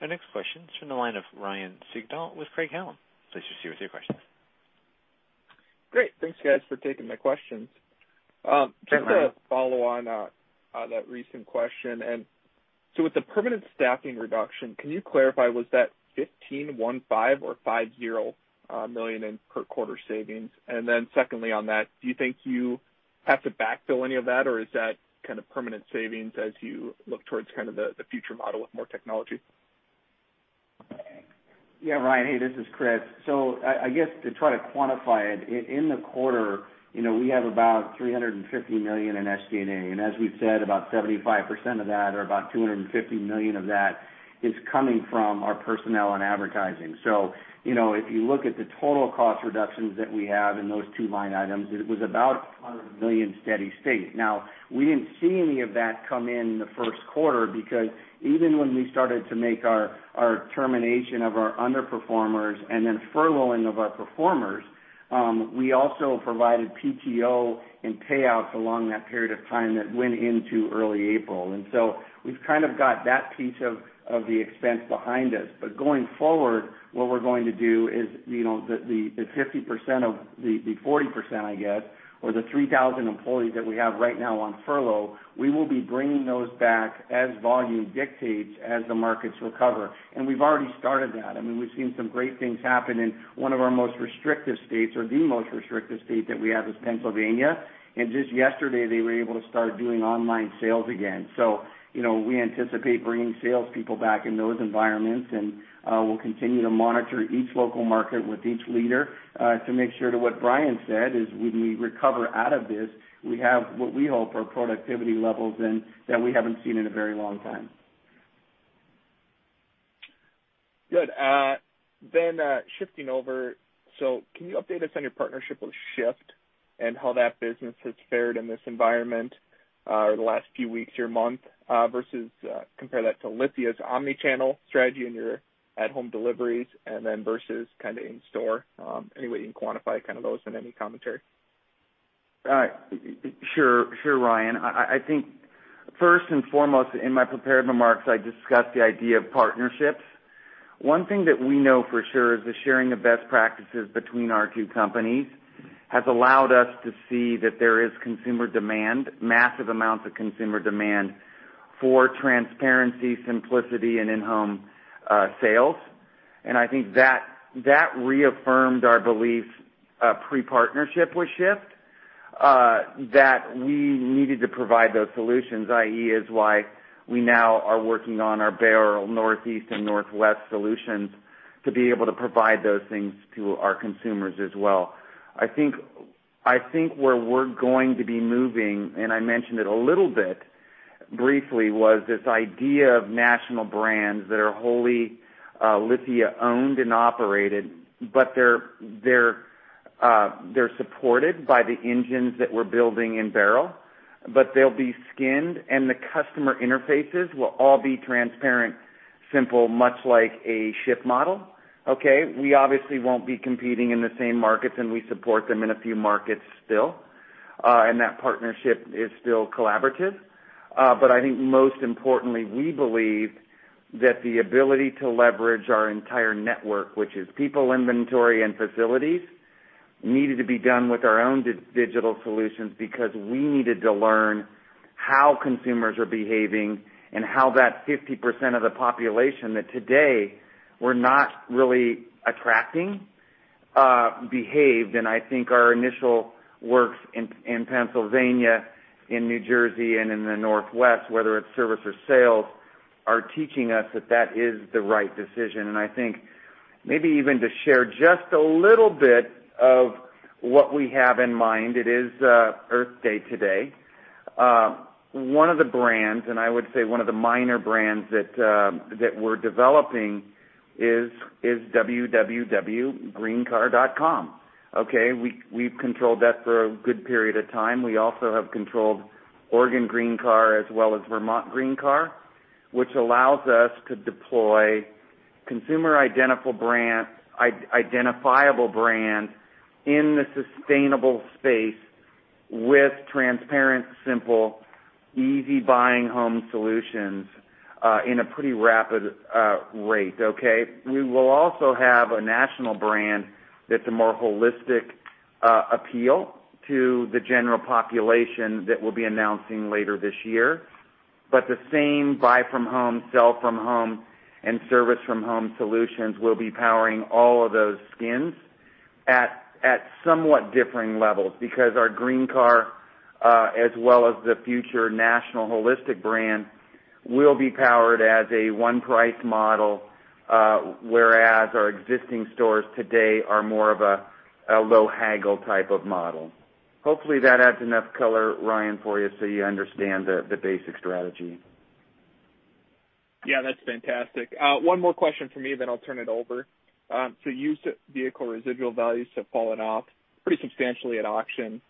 Our next question is from the line of Ryan Sigdahl with Craig-Hallum. Please proceed with your questions. Great. Thanks, guys, for taking my questions. Just to follow on that recent question. And so with the permanent staffing reduction, can you clarify, was that $1,515 or $50 million in per quarter savings? And then secondly on that, do you think you have to backfill any of that, or is that kind of permanent savings as you look towards kind of the future model with more technology? Yeah, Ryan, hey, this is Chris. So I guess to try to quantify it, in the quarter, we have about $350 million in SG&A. And as we said, about 75% of that or about $250 million of that is coming from our personnel and advertising. So if you look at the total cost reductions that we have in those two line items, it was about $100 million steady state. Now, we didn't see any of that come in the first quarter because even when we started to make our termination of our underperformers and then furloughing of our performers, we also provided PTO and payouts along that period of time that went into early April. And so we've kind of got that piece of the expense behind us. Going forward, what we're going to do is the 50% of the 40%, I guess, or the 3,000 employees that we have right now on furlough. We will be bringing those back as volume dictates as the markets recover. We've already started that. I mean, we've seen some great things happen in one of our most restrictive states, or the most restrictive state that we have, is Pennsylvania. Just yesterday, they were able to start doing online sales again. We anticipate bringing salespeople back in those environments, and we'll continue to monitor each local market with each leader to make sure that what Bryan said is when we recover out of this, we have what we hope are productivity levels that we haven't seen in a very long time. Good. Then shifting over, so can you update us on your partnership with Shift and how that business has fared in this environment over the last few weeks or month versus compare that to Lithia's omnichannel strategy and your at-home deliveries and then versus kind of in-store? Any way you can quantify kind of those in any commentary? All right. Sure, Ryan. I think first and foremost, in my prepared remarks, I discussed the idea of partnerships. One thing that we know for sure is the sharing of best practices between our two companies has allowed us to see that there is consumer demand, massive amounts of consumer demand for transparency, simplicity, and in-home sales. I think that reaffirmed our beliefs pre-partnership with Shift that we needed to provide those solutions, i.e., is why we now are working on our virtual Northeast and Northwest solutions to be able to provide those things to our consumers as well. I think where we're going to be moving, and I mentioned it a little bit briefly, was this idea of national brands that are wholly Lithia-owned and operated, but they're supported by the engines that we're building in parallel, but they'll be skinned, and the customer interfaces will all be transparent, simple, much like a Shift model, okay? We obviously won't be competing in the same markets, and we support them in a few markets still, and that partnership is still collaborative, but I think most importantly, we believe that the ability to leverage our entire network, which is people, inventory, and facilities, needed to be done with our own digital solutions because we needed to learn how consumers are behaving and how that 50% of the population that today we're not really attracting behaved. I think our initial works in Pennsylvania, in New Jersey, and in the Northwest, whether it's service or sales, are teaching us that that is the right decision. I think maybe even to share just a little bit of what we have in mind, it is Earth Day today. One of the brands, and I would say one of the minor brands that we're developing is www.greencar.com, okay? We've controlled that for a good period of time. We also have controlled Oregon Green Car as well as Vermont Green Car, which allows us to deploy consumer-identifiable brands in the sustainable space with transparent, simple, easy-buying home solutions in a pretty rapid rate, okay? We will also have a national brand that's a more holistic appeal to the general population that we'll be announcing later this year. But the same buy-from-home, sell-from-home, and service-from-home solutions will be powering all of those skins at somewhat differing levels because our Green Car, as well as the future national holistic brand, will be powered as a one-price model, whereas our existing stores today are more of a low-haggle type of model. Hopefully, that adds enough color, Ryan, for you so you understand the basic strategy. Yeah, that's fantastic. One more question from me, then I'll turn it over. So used vehicle residual values have fallen off pretty substantially at auction.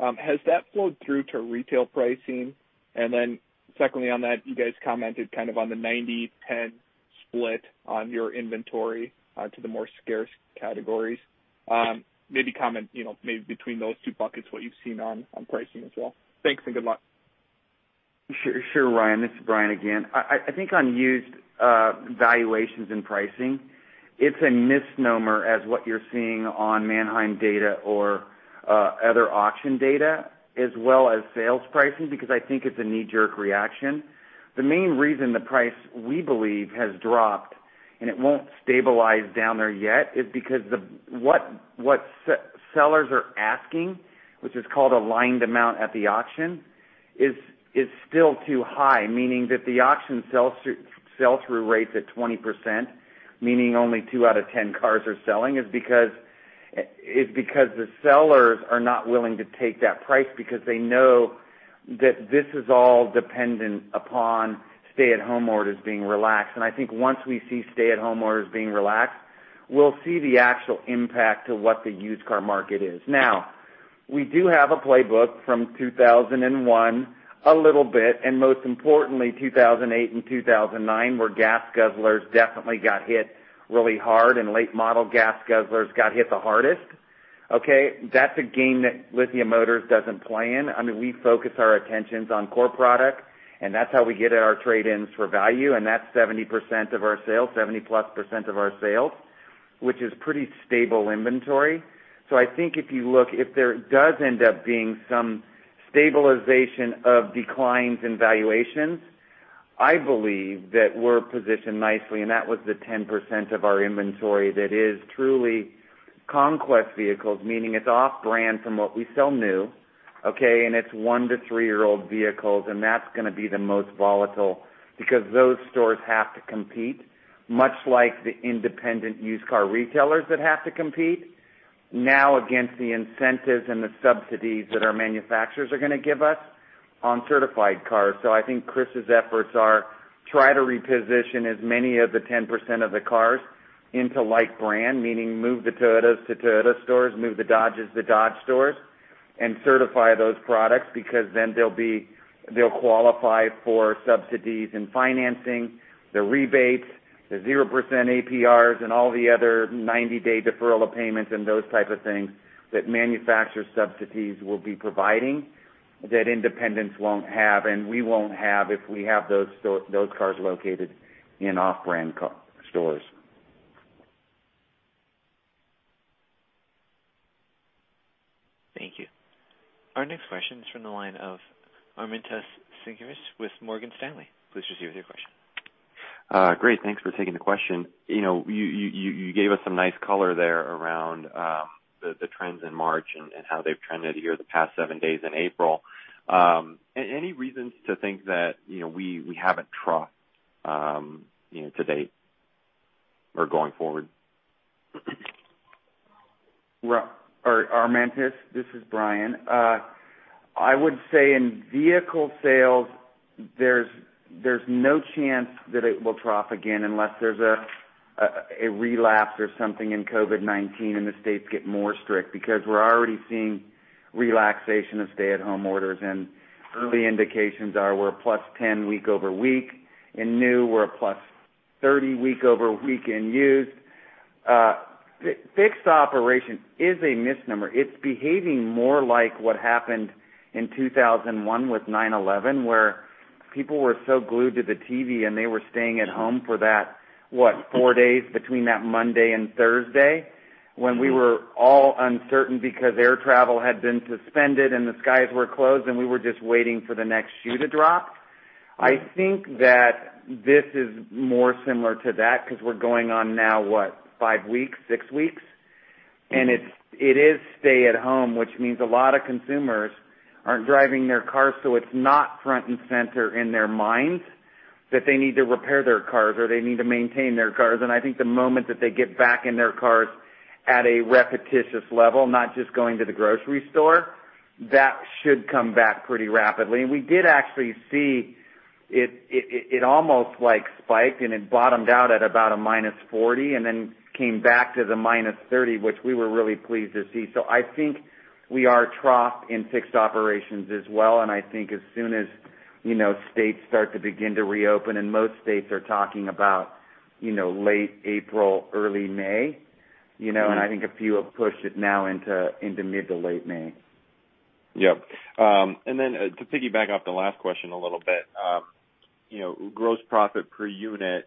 Has that flowed through to retail pricing? And then secondly on that, you guys commented kind of on the 90/10 split on your inventory to the more scarce categories. Maybe comment between those two buckets what you've seen on pricing as well. Thanks and good luck. Sure, Ryan. This is Bryan again. I think on used valuations and pricing, it's a misnomer as what you're seeing on Manheim data or other auction data as well as sales pricing because I think it's a knee-jerk reaction. The main reason the price we believe has dropped and it won't stabilize down there yet is because what sellers are asking, which is called a landed amount at the auction, is still too high, meaning that the auction sell-through rate's at 20%, meaning only two out of 10 cars are selling, is because the sellers are not willing to take that price because they know that this is all dependent upon stay-at-home orders being relaxed, and I think once we see stay-at-home orders being relaxed, we'll see the actual impact to what the used car market is. Now, we do have a playbook from 2001, a little bit, and most importantly, 2008 and 2009, where gas guzzlers definitely got hit really hard and late-model gas guzzlers got hit the hardest, okay? That's a game that Lithia Motors doesn't play in. I mean, we focus our attentions on core product, and that's how we get at our trade-ins for value, and that's 70% of our sales, 70%+ of our sales, which is pretty stable inventory. So I think if you look, if there does end up being some stabilization of declines in valuations, I believe that we're positioned nicely. And that was the 10% of our inventory that is truly conquest vehicles, meaning it's off-brand from what we sell new, okay? It's one to three-year-old vehicles, and that's going to be the most volatile because those stores have to compete, much like the independent used car retailers that have to compete now against the incentives and the subsidies that our manufacturers are going to give us on certified cars. So I think Chris's efforts are to try to reposition as many of the 10% of the cars into like-brand, meaning move the Toyotas to Toyota stores, move the Dodges to Dodge stores, and certify those products because then they'll qualify for subsidies and financing, the rebates, the 0% APRs, and all the other 90-day deferral of payments and those types of things that manufacturer subsidies will be providing that independents won't have and we won't have if we have those cars located in off-brand stores. Thank you. Our next question is from the line of Armintas Sinkevicius with Morgan Stanley. Please proceed with your question. Great. Thanks for taking the question. You gave us some nice color there around the trends in March and how they've trended here the past seven days in April. Any reasons to think that we haven't troughed to date or going forward? Right. Armintas, this is Bryan. I would say in vehicle sales, there's no chance that it will trough again unless there's a relapse or something in COVID-19 and the states get more strict because we're already seeing relaxation of stay-at-home orders, and early indications are we're a +10 week over week. In new, we're a +30 week over week in used. Fixed operations is a misnomer. It's behaving more like what happened in 2001 with 9/11, where people were so glued to the TV and they were staying at home for that, what, four days between that Monday and Thursday when we were all uncertain because air travel had been suspended and the skies were closed and we were just waiting for the next shoe to drop. I think that this is more similar to that because we're going on now, what, five weeks, six weeks, and it is stay-at-home, which means a lot of consumers aren't driving their cars, so it's not front and center in their minds that they need to repair their cars or they need to maintain their cars. And I think the moment that they get back in their cars at a repetitious level, not just going to the grocery store, that should come back pretty rapidly. And we did actually see it almost spiked, and it bottomed out at about a -40 and then came back to the -30, which we were really pleased to see. So I think we are troughed in fixed operations as well. I think as soon as states start to begin to reopen, and most states are talking about late April, early May, and I think a few have pushed it now into mid to late May. Yep. And then to piggyback off the last question a little bit. Gross Profit Per Unit,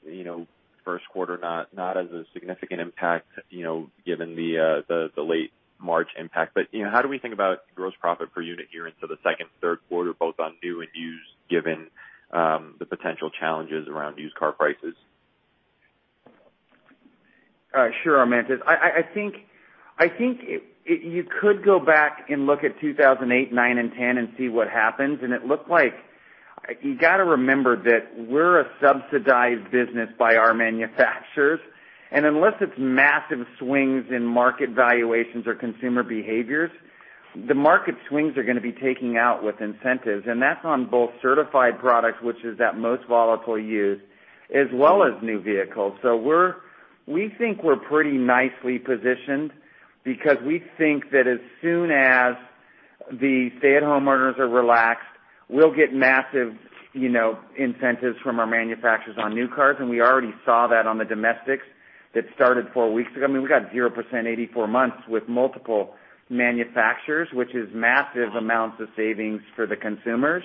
first quarter, not as a significant impact given the late March impact. But how do we think about gross profit per unit here into the second, third quarter, both on new and used, given the potential challenges around used car prices? Sure, Armintas. I think you could go back and look at 2008, 2009, and 2010 and see what happens, and it looked like you got to remember that we're a subsidized business by our manufacturers, and unless it's massive swings in market valuations or consumer behaviors, the market swings are going to be taken out with incentives, and that's on both certified products, which is the most volatile used, as well as new vehicles, so we think we're pretty nicely positioned because we think that as soon as the stay-at-home orders are relaxed, we'll get massive incentives from our manufacturers on new cars, and we already saw that on the domestics that started four weeks ago. I mean, we got 0% 84 months with multiple manufacturers, which is massive amounts of savings for the consumers.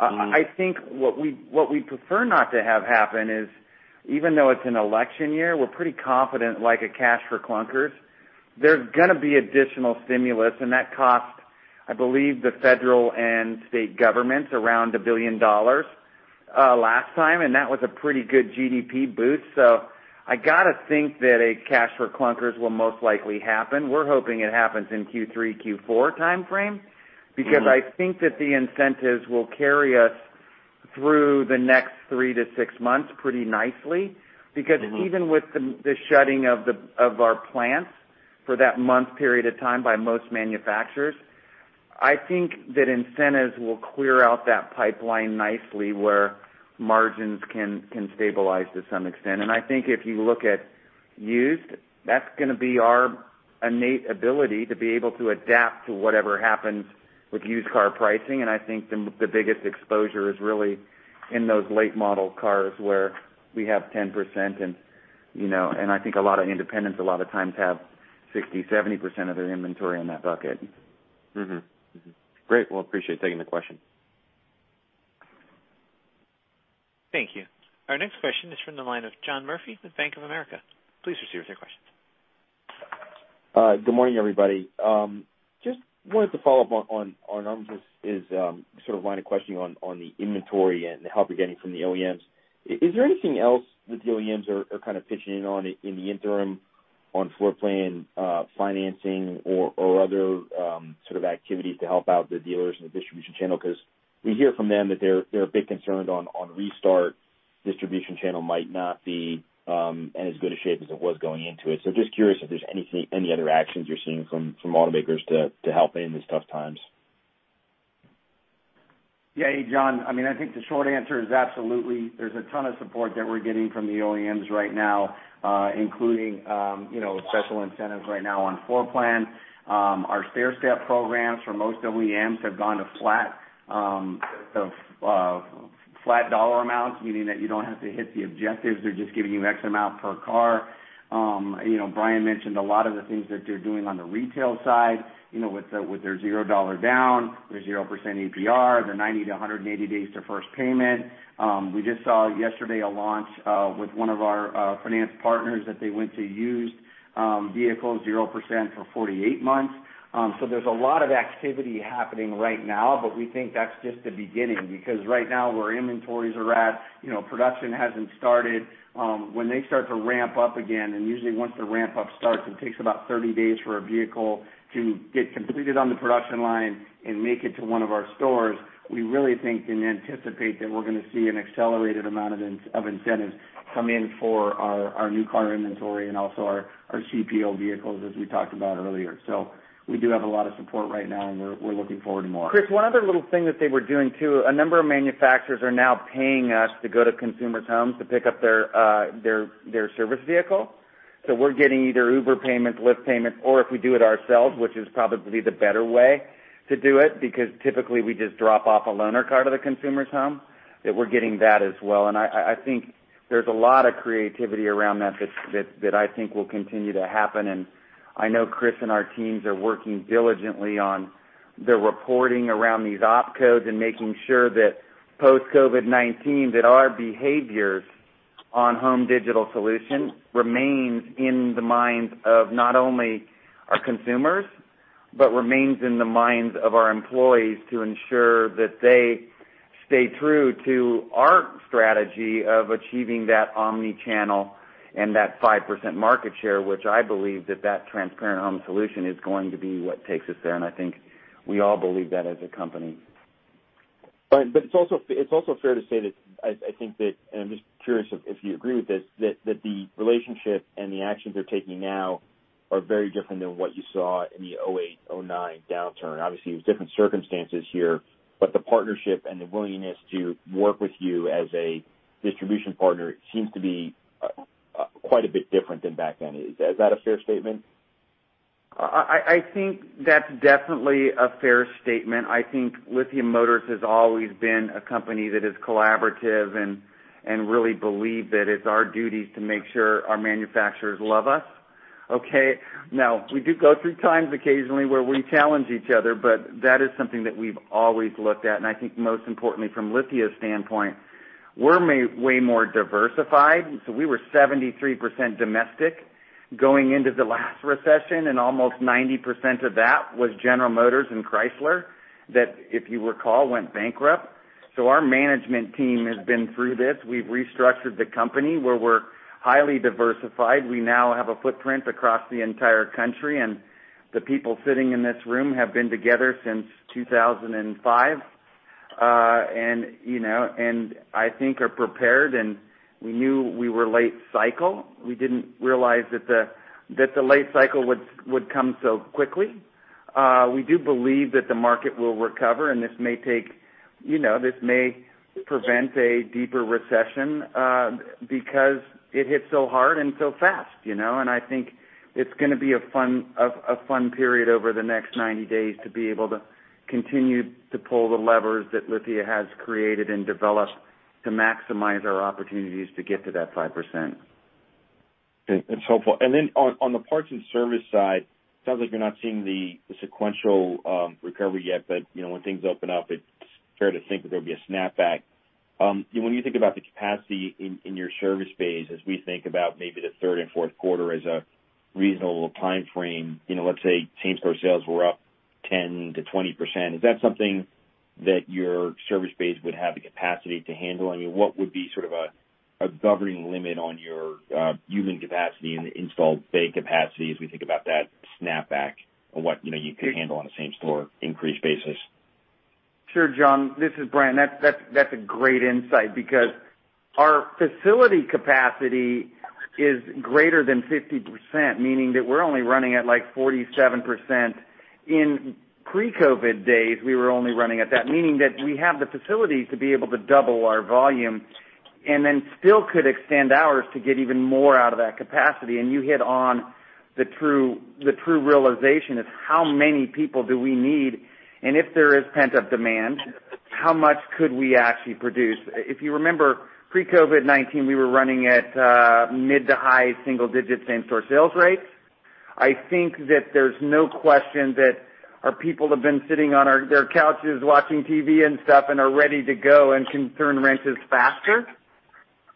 I think what we'd prefer not to have happen is, even though it's an election year, we're pretty confident, like a cash for clunkers, there's going to be additional stimulus. And that cost, I believe the federal and state governments around $1 billion last time, and that was a pretty good GDP boost. So I got to think that a cash for clunkers will most likely happen. We're hoping it happens in Q3, Q4 timeframe because I think that the incentives will carry us through the next three to six months pretty nicely because even with the shutting of our plants for that month period of time by most manufacturers, I think that incentives will clear out that pipeline nicely where margins can stabilize to some extent. I think if you look at used, that's going to be our innate ability to be able to adapt to whatever happens with used car pricing. I think the biggest exposure is really in those late-model cars where we have 10%, and I think a lot of independents a lot of times have 60%-70% of their inventory in that bucket. Great. Well, appreciate taking the question. Thank you. Our next question is from the line of John Murphy with Bank of America. Please proceed with your questions. Good morning, everybody. Just wanted to follow up on Armintas's sort of line of questioning on the inventory and the help you're getting from the OEMs. Is there anything else that the OEMs are kind of pitching in on in the interim on floor plan financing or other sort of activities to help out the dealers and the distribution channel? Because we hear from them that they're a bit concerned on restart. Distribution channel might not be in as good a shape as it was going into it. So just curious if there's any other actions you're seeing from automakers to help in these tough times? Yeah, hey, John. I mean, I think the short answer is absolutely there's a ton of support that we're getting from the OEMs right now, including special incentives right now on floor plan. Our stair-step programs for most OEMs have gone to flat dollar amounts, meaning that you don't have to hit the objectives. They're just giving you x amount per car. Brian mentioned a lot of the things that they're doing on the retail side with their $0 down, their 0% APR, the 90 days-180 days to first payment. We just saw yesterday a launch with one of our finance partners that they went to used vehicles 0% for 48 months. So there's a lot of activity happening right now, but we think that's just the beginning because right now where inventories are at, production hasn't started. When they start to ramp up again, and usually once the ramp-up starts, it takes about 30 days for a vehicle to get completed on the production line and make it to one of our stores, we really think and anticipate that we're going to see an accelerated amount of incentives come in for our new car inventory and also our CPO vehicles, as we talked about earlier. So we do have a lot of support right now, and we're looking forward to more. Chris, one other little thing that they were doing too, a number of manufacturers are now paying us to go to consumers' homes to pick up their service vehicle. So we're getting either Uber payments, Lyft payments, or if we do it ourselves, which is probably the better way to do it because typically we just drop off a loaner car to the consumer's home, that we're getting that as well. And I think there's a lot of creativity around that that I think will continue to happen. And I know Chris and our teams are working diligently on the reporting around these op codes and making sure that post COVID-19, that our behaviors on home digital solution remains in the minds of not only our consumers, but remains in the minds of our employees to ensure that they stay true to our strategy of achieving that omnichannel and that 5% market share, which I believe that that transparent home solution is going to be what takes us there. And I think we all believe that as a company. But it's also fair to say that I think that, and I'm just curious if you agree with this, that the relationship and the actions they're taking now are very different than what you saw in the 2008, 2009 downturn. Obviously, it was different circumstances here, but the partnership and the willingness to work with you as a distribution partner seems to be quite a bit different than back then. Is that a fair statement? I think that's definitely a fair statement. I think Lithia Motors has always been a company that is collaborative and really believes that it's our duties to make sure our manufacturers love us, okay? Now, we do go through times occasionally where we challenge each other, but that is something that we've always looked at. I think most importantly, from Lithia's standpoint, we're way more diversified. So we were 73% domestic going into the last recession, and almost 90% of that was General Motors and Chrysler that, if you recall, went bankrupt. So our management team has been through this. We've restructured the company where we're highly diversified. We now have a footprint across the entire country, and the people sitting in this room have been together since 2005 and I think are prepared. We knew we were late cycle. We didn't realize that the late cycle would come so quickly. We do believe that the market will recover, and this may prevent a deeper recession because it hit so hard and so fast, and I think it's going to be a fun period over the next 90 days to be able to continue to pull the levers that Lithia has created and developed to maximize our opportunities to get to that 5%. That's helpful. And then on the parts and service side, it sounds like you're not seeing the sequential recovery yet, but when things open up, it's fair to think there'll be a snapback. When you think about the capacity in your service space, as we think about maybe the third and fourth quarter as a reasonable timeframe, let's say same-store sales were up 10%-20%, is that something that your service space would have the capacity to handle? I mean, what would be sort of a governing limit on your human capacity and installed bay capacity as we think about that snapback and what you could handle on a same-store increase basis? Sure, John. This is Bryan. That's a great insight because our facility capacity is greater than 50%, meaning that we're only running at like 47%. In pre-COVID days, we were only running at that, meaning that we have the facilities to be able to double our volume and then still could extend hours to get even more out of that capacity. And you hit on the true realization of how many people do we need, and if there is pent-up demand, how much could we actually produce? If you remember pre-COVID-19, we were running at mid to high single-digit same-store sales rates. I think that there's no question that our people have been sitting on their couches watching TV and stuff and are ready to go and can turn wrenches faster.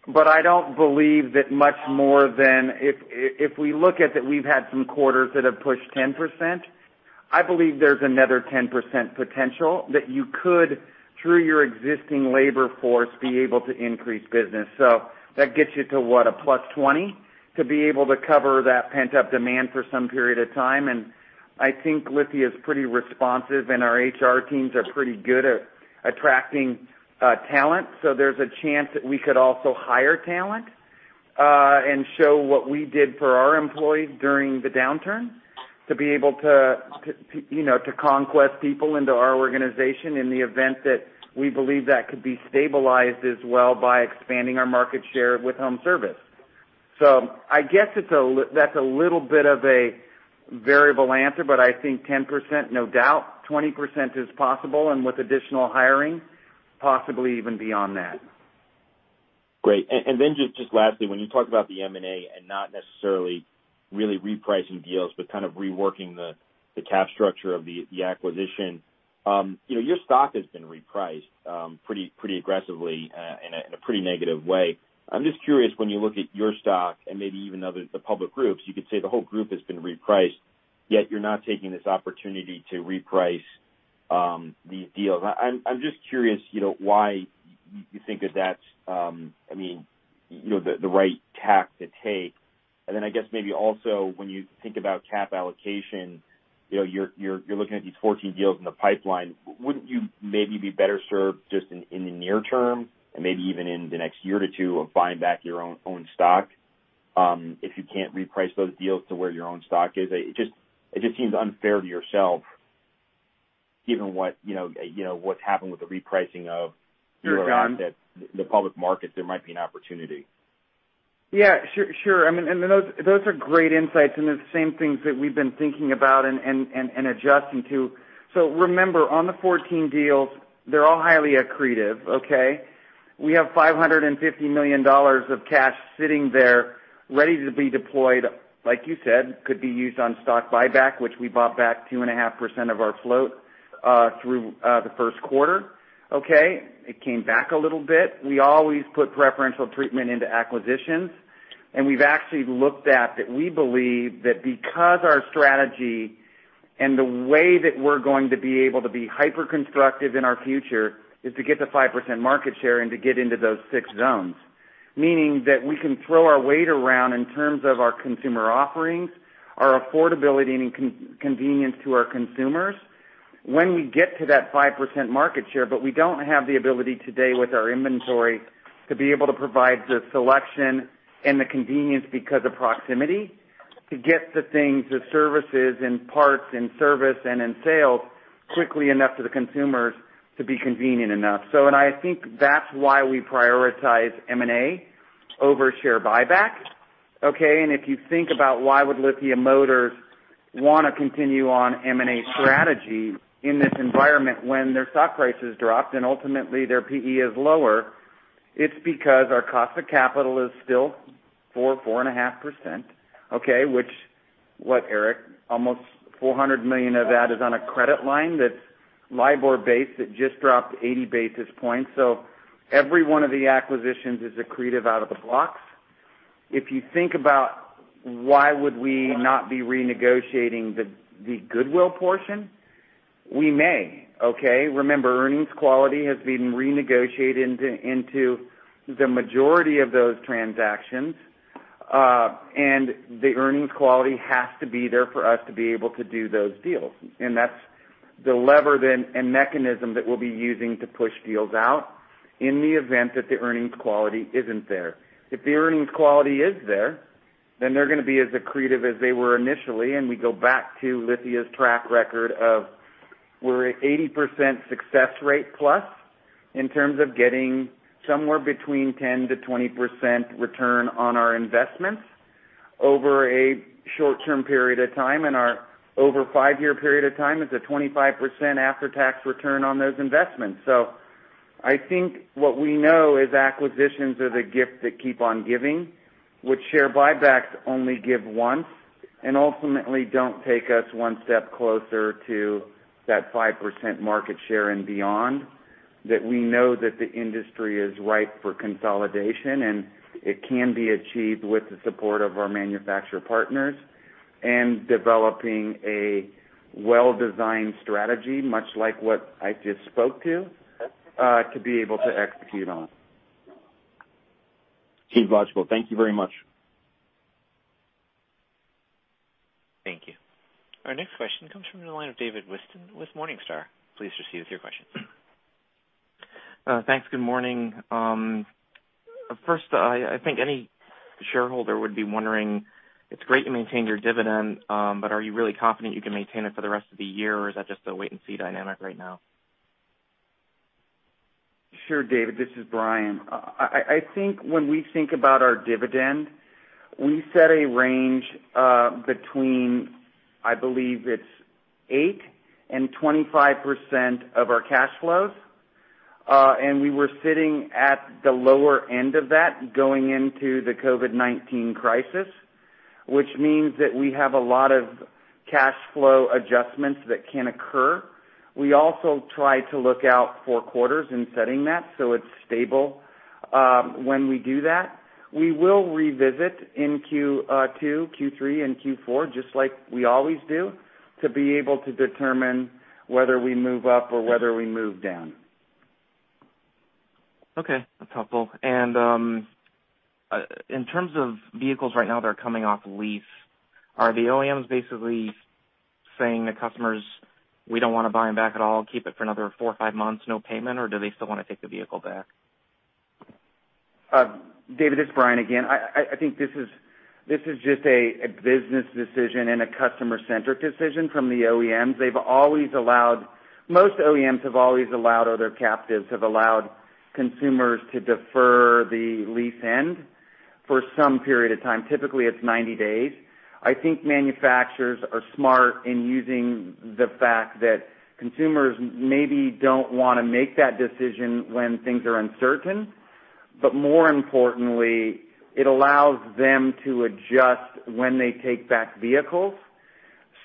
But I don't believe that much more than if we look at that we've had some quarters that have pushed 10%. I believe there's another 10% potential that you could, through your existing labor force, be able to increase business. So that gets you to what, a +20% to be able to cover that pent-up demand for some period of time. And I think Lithia is pretty responsive, and our HR teams are pretty good at attracting talent. So there's a chance that we could also hire talent and show what we did for our employees during the downturn to be able to conquest people into our organization in the event that we believe that could be stabilized as well by expanding our market share with home service. So I guess that's a little bit of a variable answer, but I think 10%, no doubt. 20% is possible. With additional hiring, possibly even beyond that. Great, and then just lastly, when you talk about the M&A and not necessarily really repricing deals, but kind of reworking the cap structure of the acquisition, your stock has been repriced pretty aggressively in a pretty negative way. I'm just curious, when you look at your stock and maybe even the public groups, you could say the whole group has been repriced, yet you're not taking this opportunity to reprice these deals. I'm just curious why you think that that's, I mean, the right tack to take, and then I guess maybe also when you think about cap allocation, you're looking at these 14 deals in the pipeline. Wouldn't you maybe be better served just in the near term and maybe even in the next year or two of buying back your own stock if you can't reprice those deals to where your own stock is? It just seems unfair to yourself, given what's happened with the repricing of your assets, the public markets, there might be an opportunity. Yeah, sure. I mean, and those are great insights, and it's the same things that we've been thinking about and adjusting to. So remember, on the 14 deals, they're all highly accretive, okay? We have $550 million of cash sitting there ready to be deployed, like you said, could be used on stock buyback, which we bought back 2.5% of our float through the first quarter, okay? It came back a little bit. We always put preferential treatment into acquisitions. We've actually looked at that. We believe that because our strategy and the way that we're going to be able to be hyper-constructive in our future is to get to 5% market share and to get into those six zones, meaning that we can throw our weight around in terms of our consumer offerings, our affordability, and convenience to our consumers when we get to that 5% market share, but we don't have the ability today with our inventory to be able to provide the selection and the convenience because of proximity to get the things, the services, and parts, and service, and in sales quickly enough to the consumers to be convenient enough. So I think that's why we prioritize M&A over share buyback, okay? And if you think about why would Lithia Motors want to continue on M&A strategy in this environment when their stock prices dropped and ultimately their PE is lower, it's because our cost of capital is still 4%, 4.5%, okay? Which, what, Eric? Almost $400 million of that is on a credit line that's LIBOR-based that just dropped 80 basis points. So every one of the acquisitions is accretive out of the box. If you think about why would we not be renegotiating the goodwill portion, we may, okay? Remember, earnings quality has been renegotiated into the majority of those transactions, and the earnings quality has to be there for us to be able to do those deals. And that's the lever and mechanism that we'll be using to push deals out in the event that the earnings quality isn't there. If the earnings quality is there, then they're going to be as accretive as they were initially. And we go back to Lithia's track record of we're at 80% success rate plus in terms of getting somewhere between 10%-20% return on our investments over a short-term period of time. And our over five-year period of time is a 25% after-tax return on those investments. So I think what we know is acquisitions are the gift that keep on giving, which share buybacks only give once and ultimately don't take us one step closer to that 5% market share and beyond that we know that the industry is ripe for consolidation, and it can be achieved with the support of our manufacturer partners and developing a well-designed strategy, much like what I just spoke to, to be able to execute on. Seems logical. Thank you very much. Thank you. Our next question comes from the line of David Whiston with Morningstar. Please proceed with your questions. Thanks. Good morning. First, I think any shareholder would be wondering, it's great you maintained your dividend, but are you really confident you can maintain it for the rest of the year, or is that just a wait-and-see dynamic right now? Sure, David. This is Bryan. I think when we think about our dividend, we set a range between, I believe it's 8% and 25% of our cash flows, and we were sitting at the lower end of that going into the COVID-19 crisis, which means that we have a lot of cash flow adjustments that can occur. We also try to look out for quarters in setting that so it's stable when we do that. We will revisit in Q2, Q3, and Q4, just like we always do, to be able to determine whether we move up or whether we move down. Okay. That's helpful. And in terms of vehicles right now that are coming off lease, are the OEMs basically saying to customers, "We don't want to buy them back at all, keep it for another four or five months, no payment," or do they still want to take the vehicle back? David, it's Bryan again. I think this is just a business decision and a customer-centric decision from the OEMs. Most OEMs have always allowed, or their captives have allowed, consumers to defer the lease end for some period of time. Typically, it's 90 days. I think manufacturers are smart in using the fact that consumers maybe don't want to make that decision when things are uncertain. But more importantly, it allows them to adjust when they take back vehicles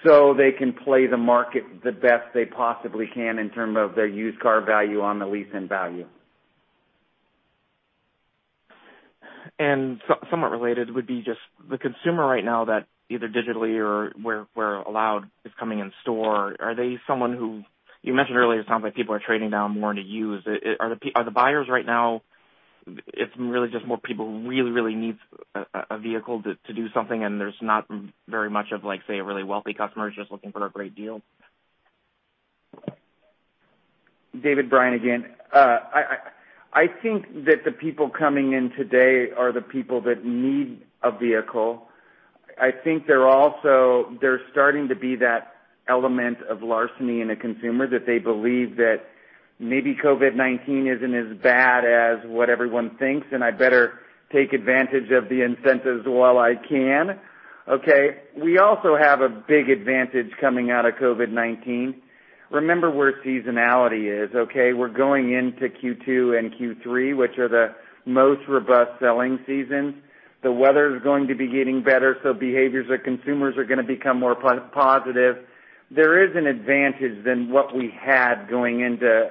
so they can play the market the best they possibly can in terms of their used car value on the lease-end value. Somewhat related would be just the consumer right now that either digitally or where allowed is coming in store. Are they someone who you mentioned earlier? It sounds like people are trading down more into used. Are the buyers right now? It's really just more people who really, really need a vehicle to do something, and there's not very much of, say, a really wealthy customer who's just looking for a great deal? David, Bryan again. I think that the people coming in today are the people that need a vehicle. I think they're starting to be that element of larceny in a consumer that they believe that maybe COVID-19 isn't as bad as what everyone thinks, and I better take advantage of the incentives while I can, okay? We also have a big advantage coming out of COVID-19. Remember where seasonality is, okay? We're going into Q2 and Q3, which are the most robust selling seasons. The weather is going to be getting better, so behaviors of consumers are going to become more positive. There is an advantage than what we had going into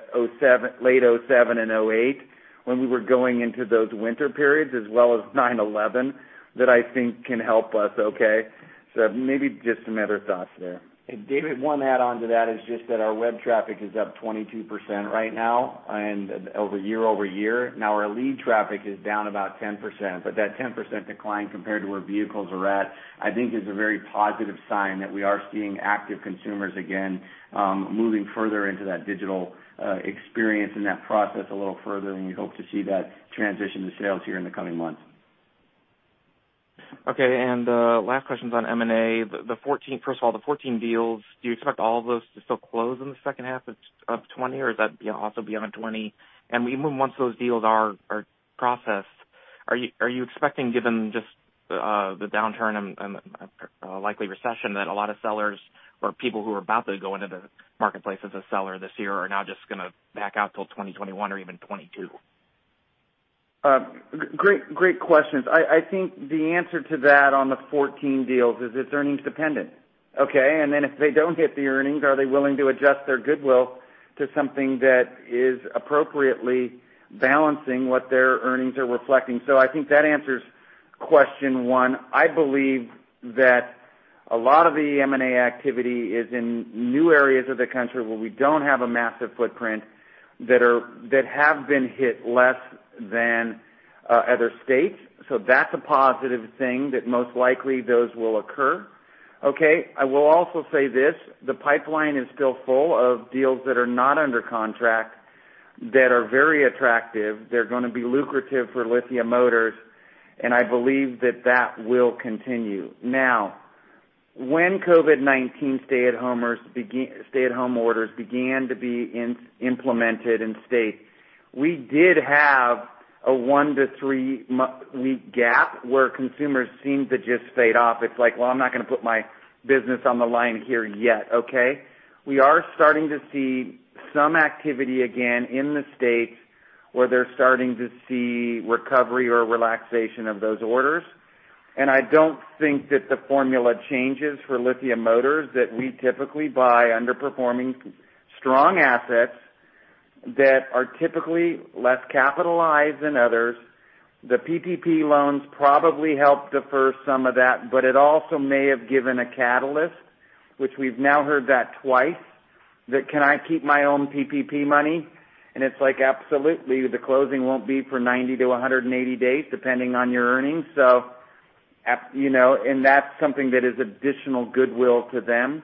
late 2007 and 2008 when we were going into those winter periods as well as 9/11 that I think can help us, okay? So maybe just some other thoughts there. And David, one add-on to that is just that our web traffic is up 22% right now and over year-over-year. Now, our lead traffic is down about 10%. But that 10% decline compared to where vehicles are at, I think is a very positive sign that we are seeing active consumers again moving further into that digital experience and that process a little further, and we hope to see that transition to sales here in the coming months. Okay. Last question is on M&A. First of all, the 14 deals, do you expect all of those to still close in the second half of 2020, or is that also beyond 2020? Even once those deals are processed, are you expecting, given just the downturn and likely recession, that a lot of sellers or people who are about to go into the marketplace as a seller this year are now just going to back out till 2021 or even 2022? Great questions. I think the answer to that on the 14 deals is it's earnings dependent, okay? And then if they don't hit the earnings, are they willing to adjust their goodwill to something that is appropriately balancing what their earnings are reflecting? So I think that answers question one. I believe that a lot of the M&A activity is in new areas of the country where we don't have a massive footprint that have been hit less than other states. So that's a positive thing that most likely those will occur, okay? I will also say this: the pipeline is still full of deals that are not under contract that are very attractive. They're going to be lucrative for Lithia Motors, and I believe that that will continue. Now, when COVID-19 stay-at-home orders began to be implemented in states, we did have a one to three week gap where consumers seemed to just fade off. It's like, "Well, I'm not going to put my business on the line here yet," okay? We are starting to see some activity again in the states where they're starting to see recovery or relaxation of those orders. And I don't think that the formula changes for Lithia Motors that we typically buy underperforming strong assets that are typically less capitalized than others. The PPP loans probably helped defer some of that, but it also may have given a catalyst, which we've now heard that twice, that, "Can I keep my own PPP money?" And it's like, "Absolutely. The closing won't be for 90 days-180 days depending on your earnings." And that's something that is additional goodwill to them.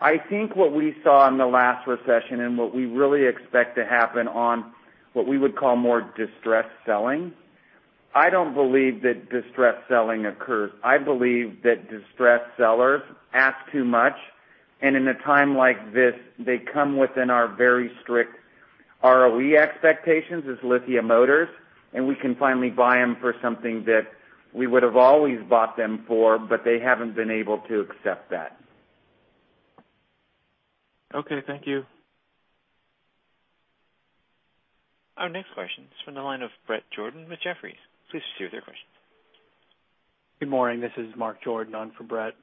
I think what we saw in the last recession and what we really expect to happen on what we would call more distressed selling. I don't believe that distressed selling occurs. I believe that distressed sellers ask too much, and in a time like this, they come within our very strict ROE expectations as Lithia Motors, and we can finally buy them for something that we would have always bought them for, but they haven't been able to accept that. Okay. Thank you. Our next question is from the line of Brett Jordan with Jefferies. Please proceed with your questions. Good morning. This is Mark Jordan on for Brett.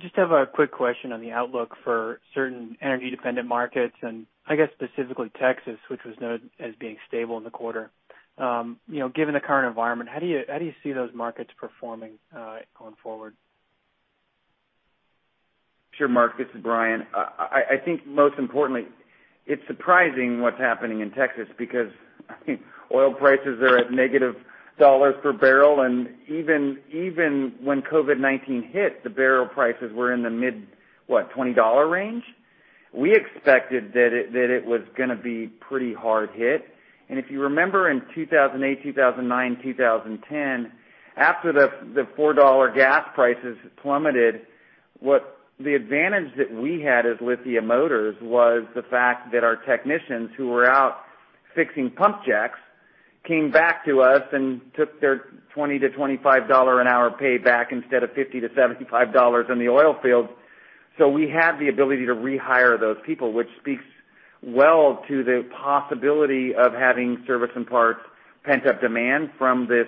Just have a quick question on the outlook for certain energy-dependent markets and, I guess, specifically Texas, which was noted as being stable in the quarter. Given the current environment, how do you see those markets performing going forward? Sure. Mark, this is Bryan. I think most importantly, it's surprising what's happening in Texas because oil prices are at negative dollars per barrel. Even when COVID-19 hit, the barrel prices were in the mid, what, $20 range. We expected that it was going to be pretty hard hit. If you remember in 2008, 2009, 2010, after the $4 gas prices plummeted, the advantage that we had as Lithia Motors was the fact that our technicians who were out fixing pump jacks came back to us and took their $20-$25 an hour pay back instead of $50-$75 in the oil field. We had the ability to rehire those people, which speaks well to the possibility of having service and parts pent-up demand from this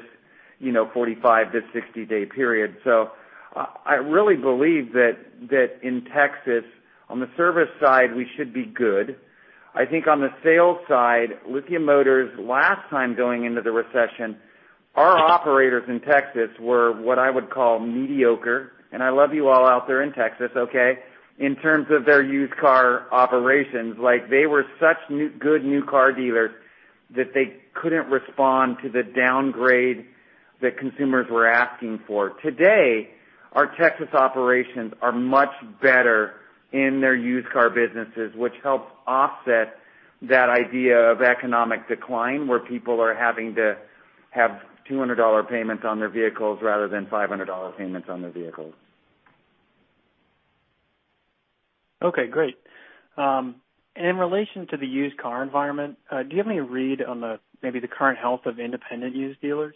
45 day-60 day period. I really believe that in Texas, on the service side, we should be good. I think on the sales side, Lithia Motors, last time going into the recession, our operators in Texas were what I would call mediocre. And I love you all out there in Texas, okay? In terms of their used car operations, they were such good new car dealers that they couldn't respond to the downgrade that consumers were asking for. Today, our Texas operations are much better in their used car businesses, which helps offset that idea of economic decline where people are having to have $200 payments on their vehicles rather than $500 payments on their vehicles. Okay. Great. And in relation to the used car environment, do you have any read on maybe the current health of independent used dealers?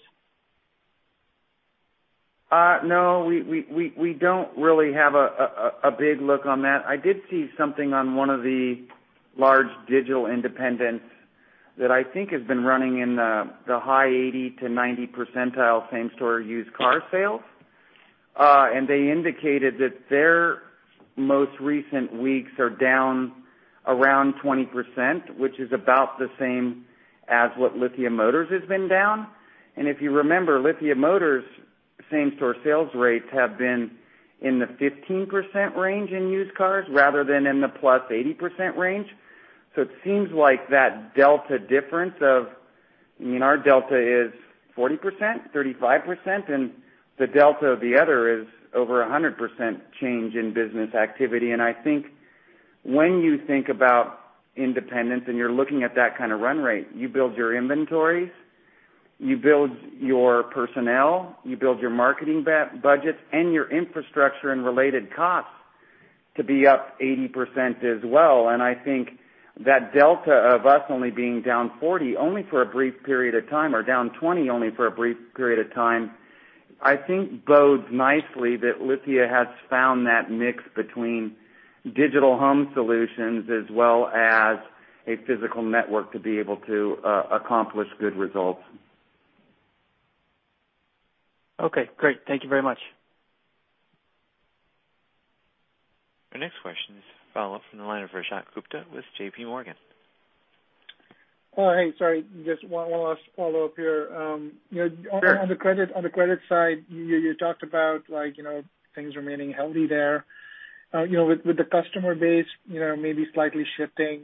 No. We don't really have a big look on that. I did see something on one of the large digital independents that I think has been running in the high 80%-90% same-store used car sales. And they indicated that their most recent weeks are down around 20%, which is about the same as what Lithia Motors has been down. And if you remember, Lithia Motors' same-store sales rates have been in the 15% range in used cars rather than in the plus 80% range. So it seems like that delta difference of, I mean, our delta is 40%, 35%, and the delta of the other is over 100% change in business activity. And I think when you think about independents and you're looking at that kind of run rate, you build your inventories, you build your personnel, you build your marketing budgets, and your infrastructure and related costs to be up 80% as well. And I think that delta of us only being down 40% only for a brief period of time or down 20% only for a brief period of time. I think bodes nicely that Lithia has found that mix between digital home solutions as well as a physical network to be able to accomplish good results. Okay. Great. Thank you very much. Our next question is a follow-up from the line of Rajat Gupta with JPMorgan. Hey, sorry. Just one last follow-up here. On the credit side, you talked about things remaining healthy there. With the customer base maybe slightly shifting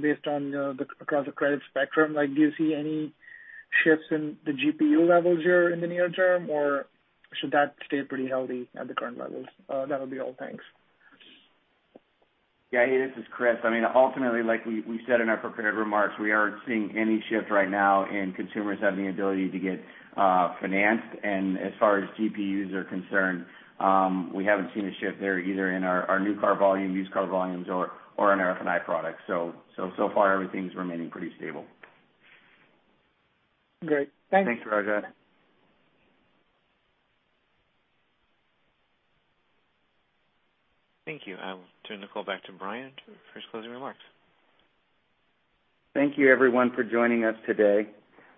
based on across the credit spectrum, do you see any shifts in the GPU levels here in the near term, or should that stay pretty healthy at the current levels? That would be all. Thanks. Yeah. Hey, this is Chris. I mean, ultimately, like we said in our prepared remarks, we aren't seeing any shift right now in consumers having the ability to get financed, and as far as GPUs are concerned, we haven't seen a shift there either in our new car volume, used car volumes, or in our F&I products, so far, everything's remaining pretty stable. Great. Thanks. Thanks, Raja. Thank you. I will turn the call back to Bryan for his closing remarks. Thank you, everyone, for joining us today.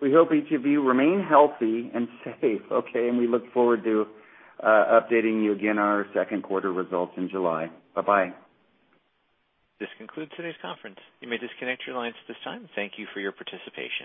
We hope each of you remain healthy and safe, okay, and we look forward to updating you again on our second quarter results in July. Bye-bye. This concludes today's conference. You may disconnect your lines at this time. Thank you for your participation.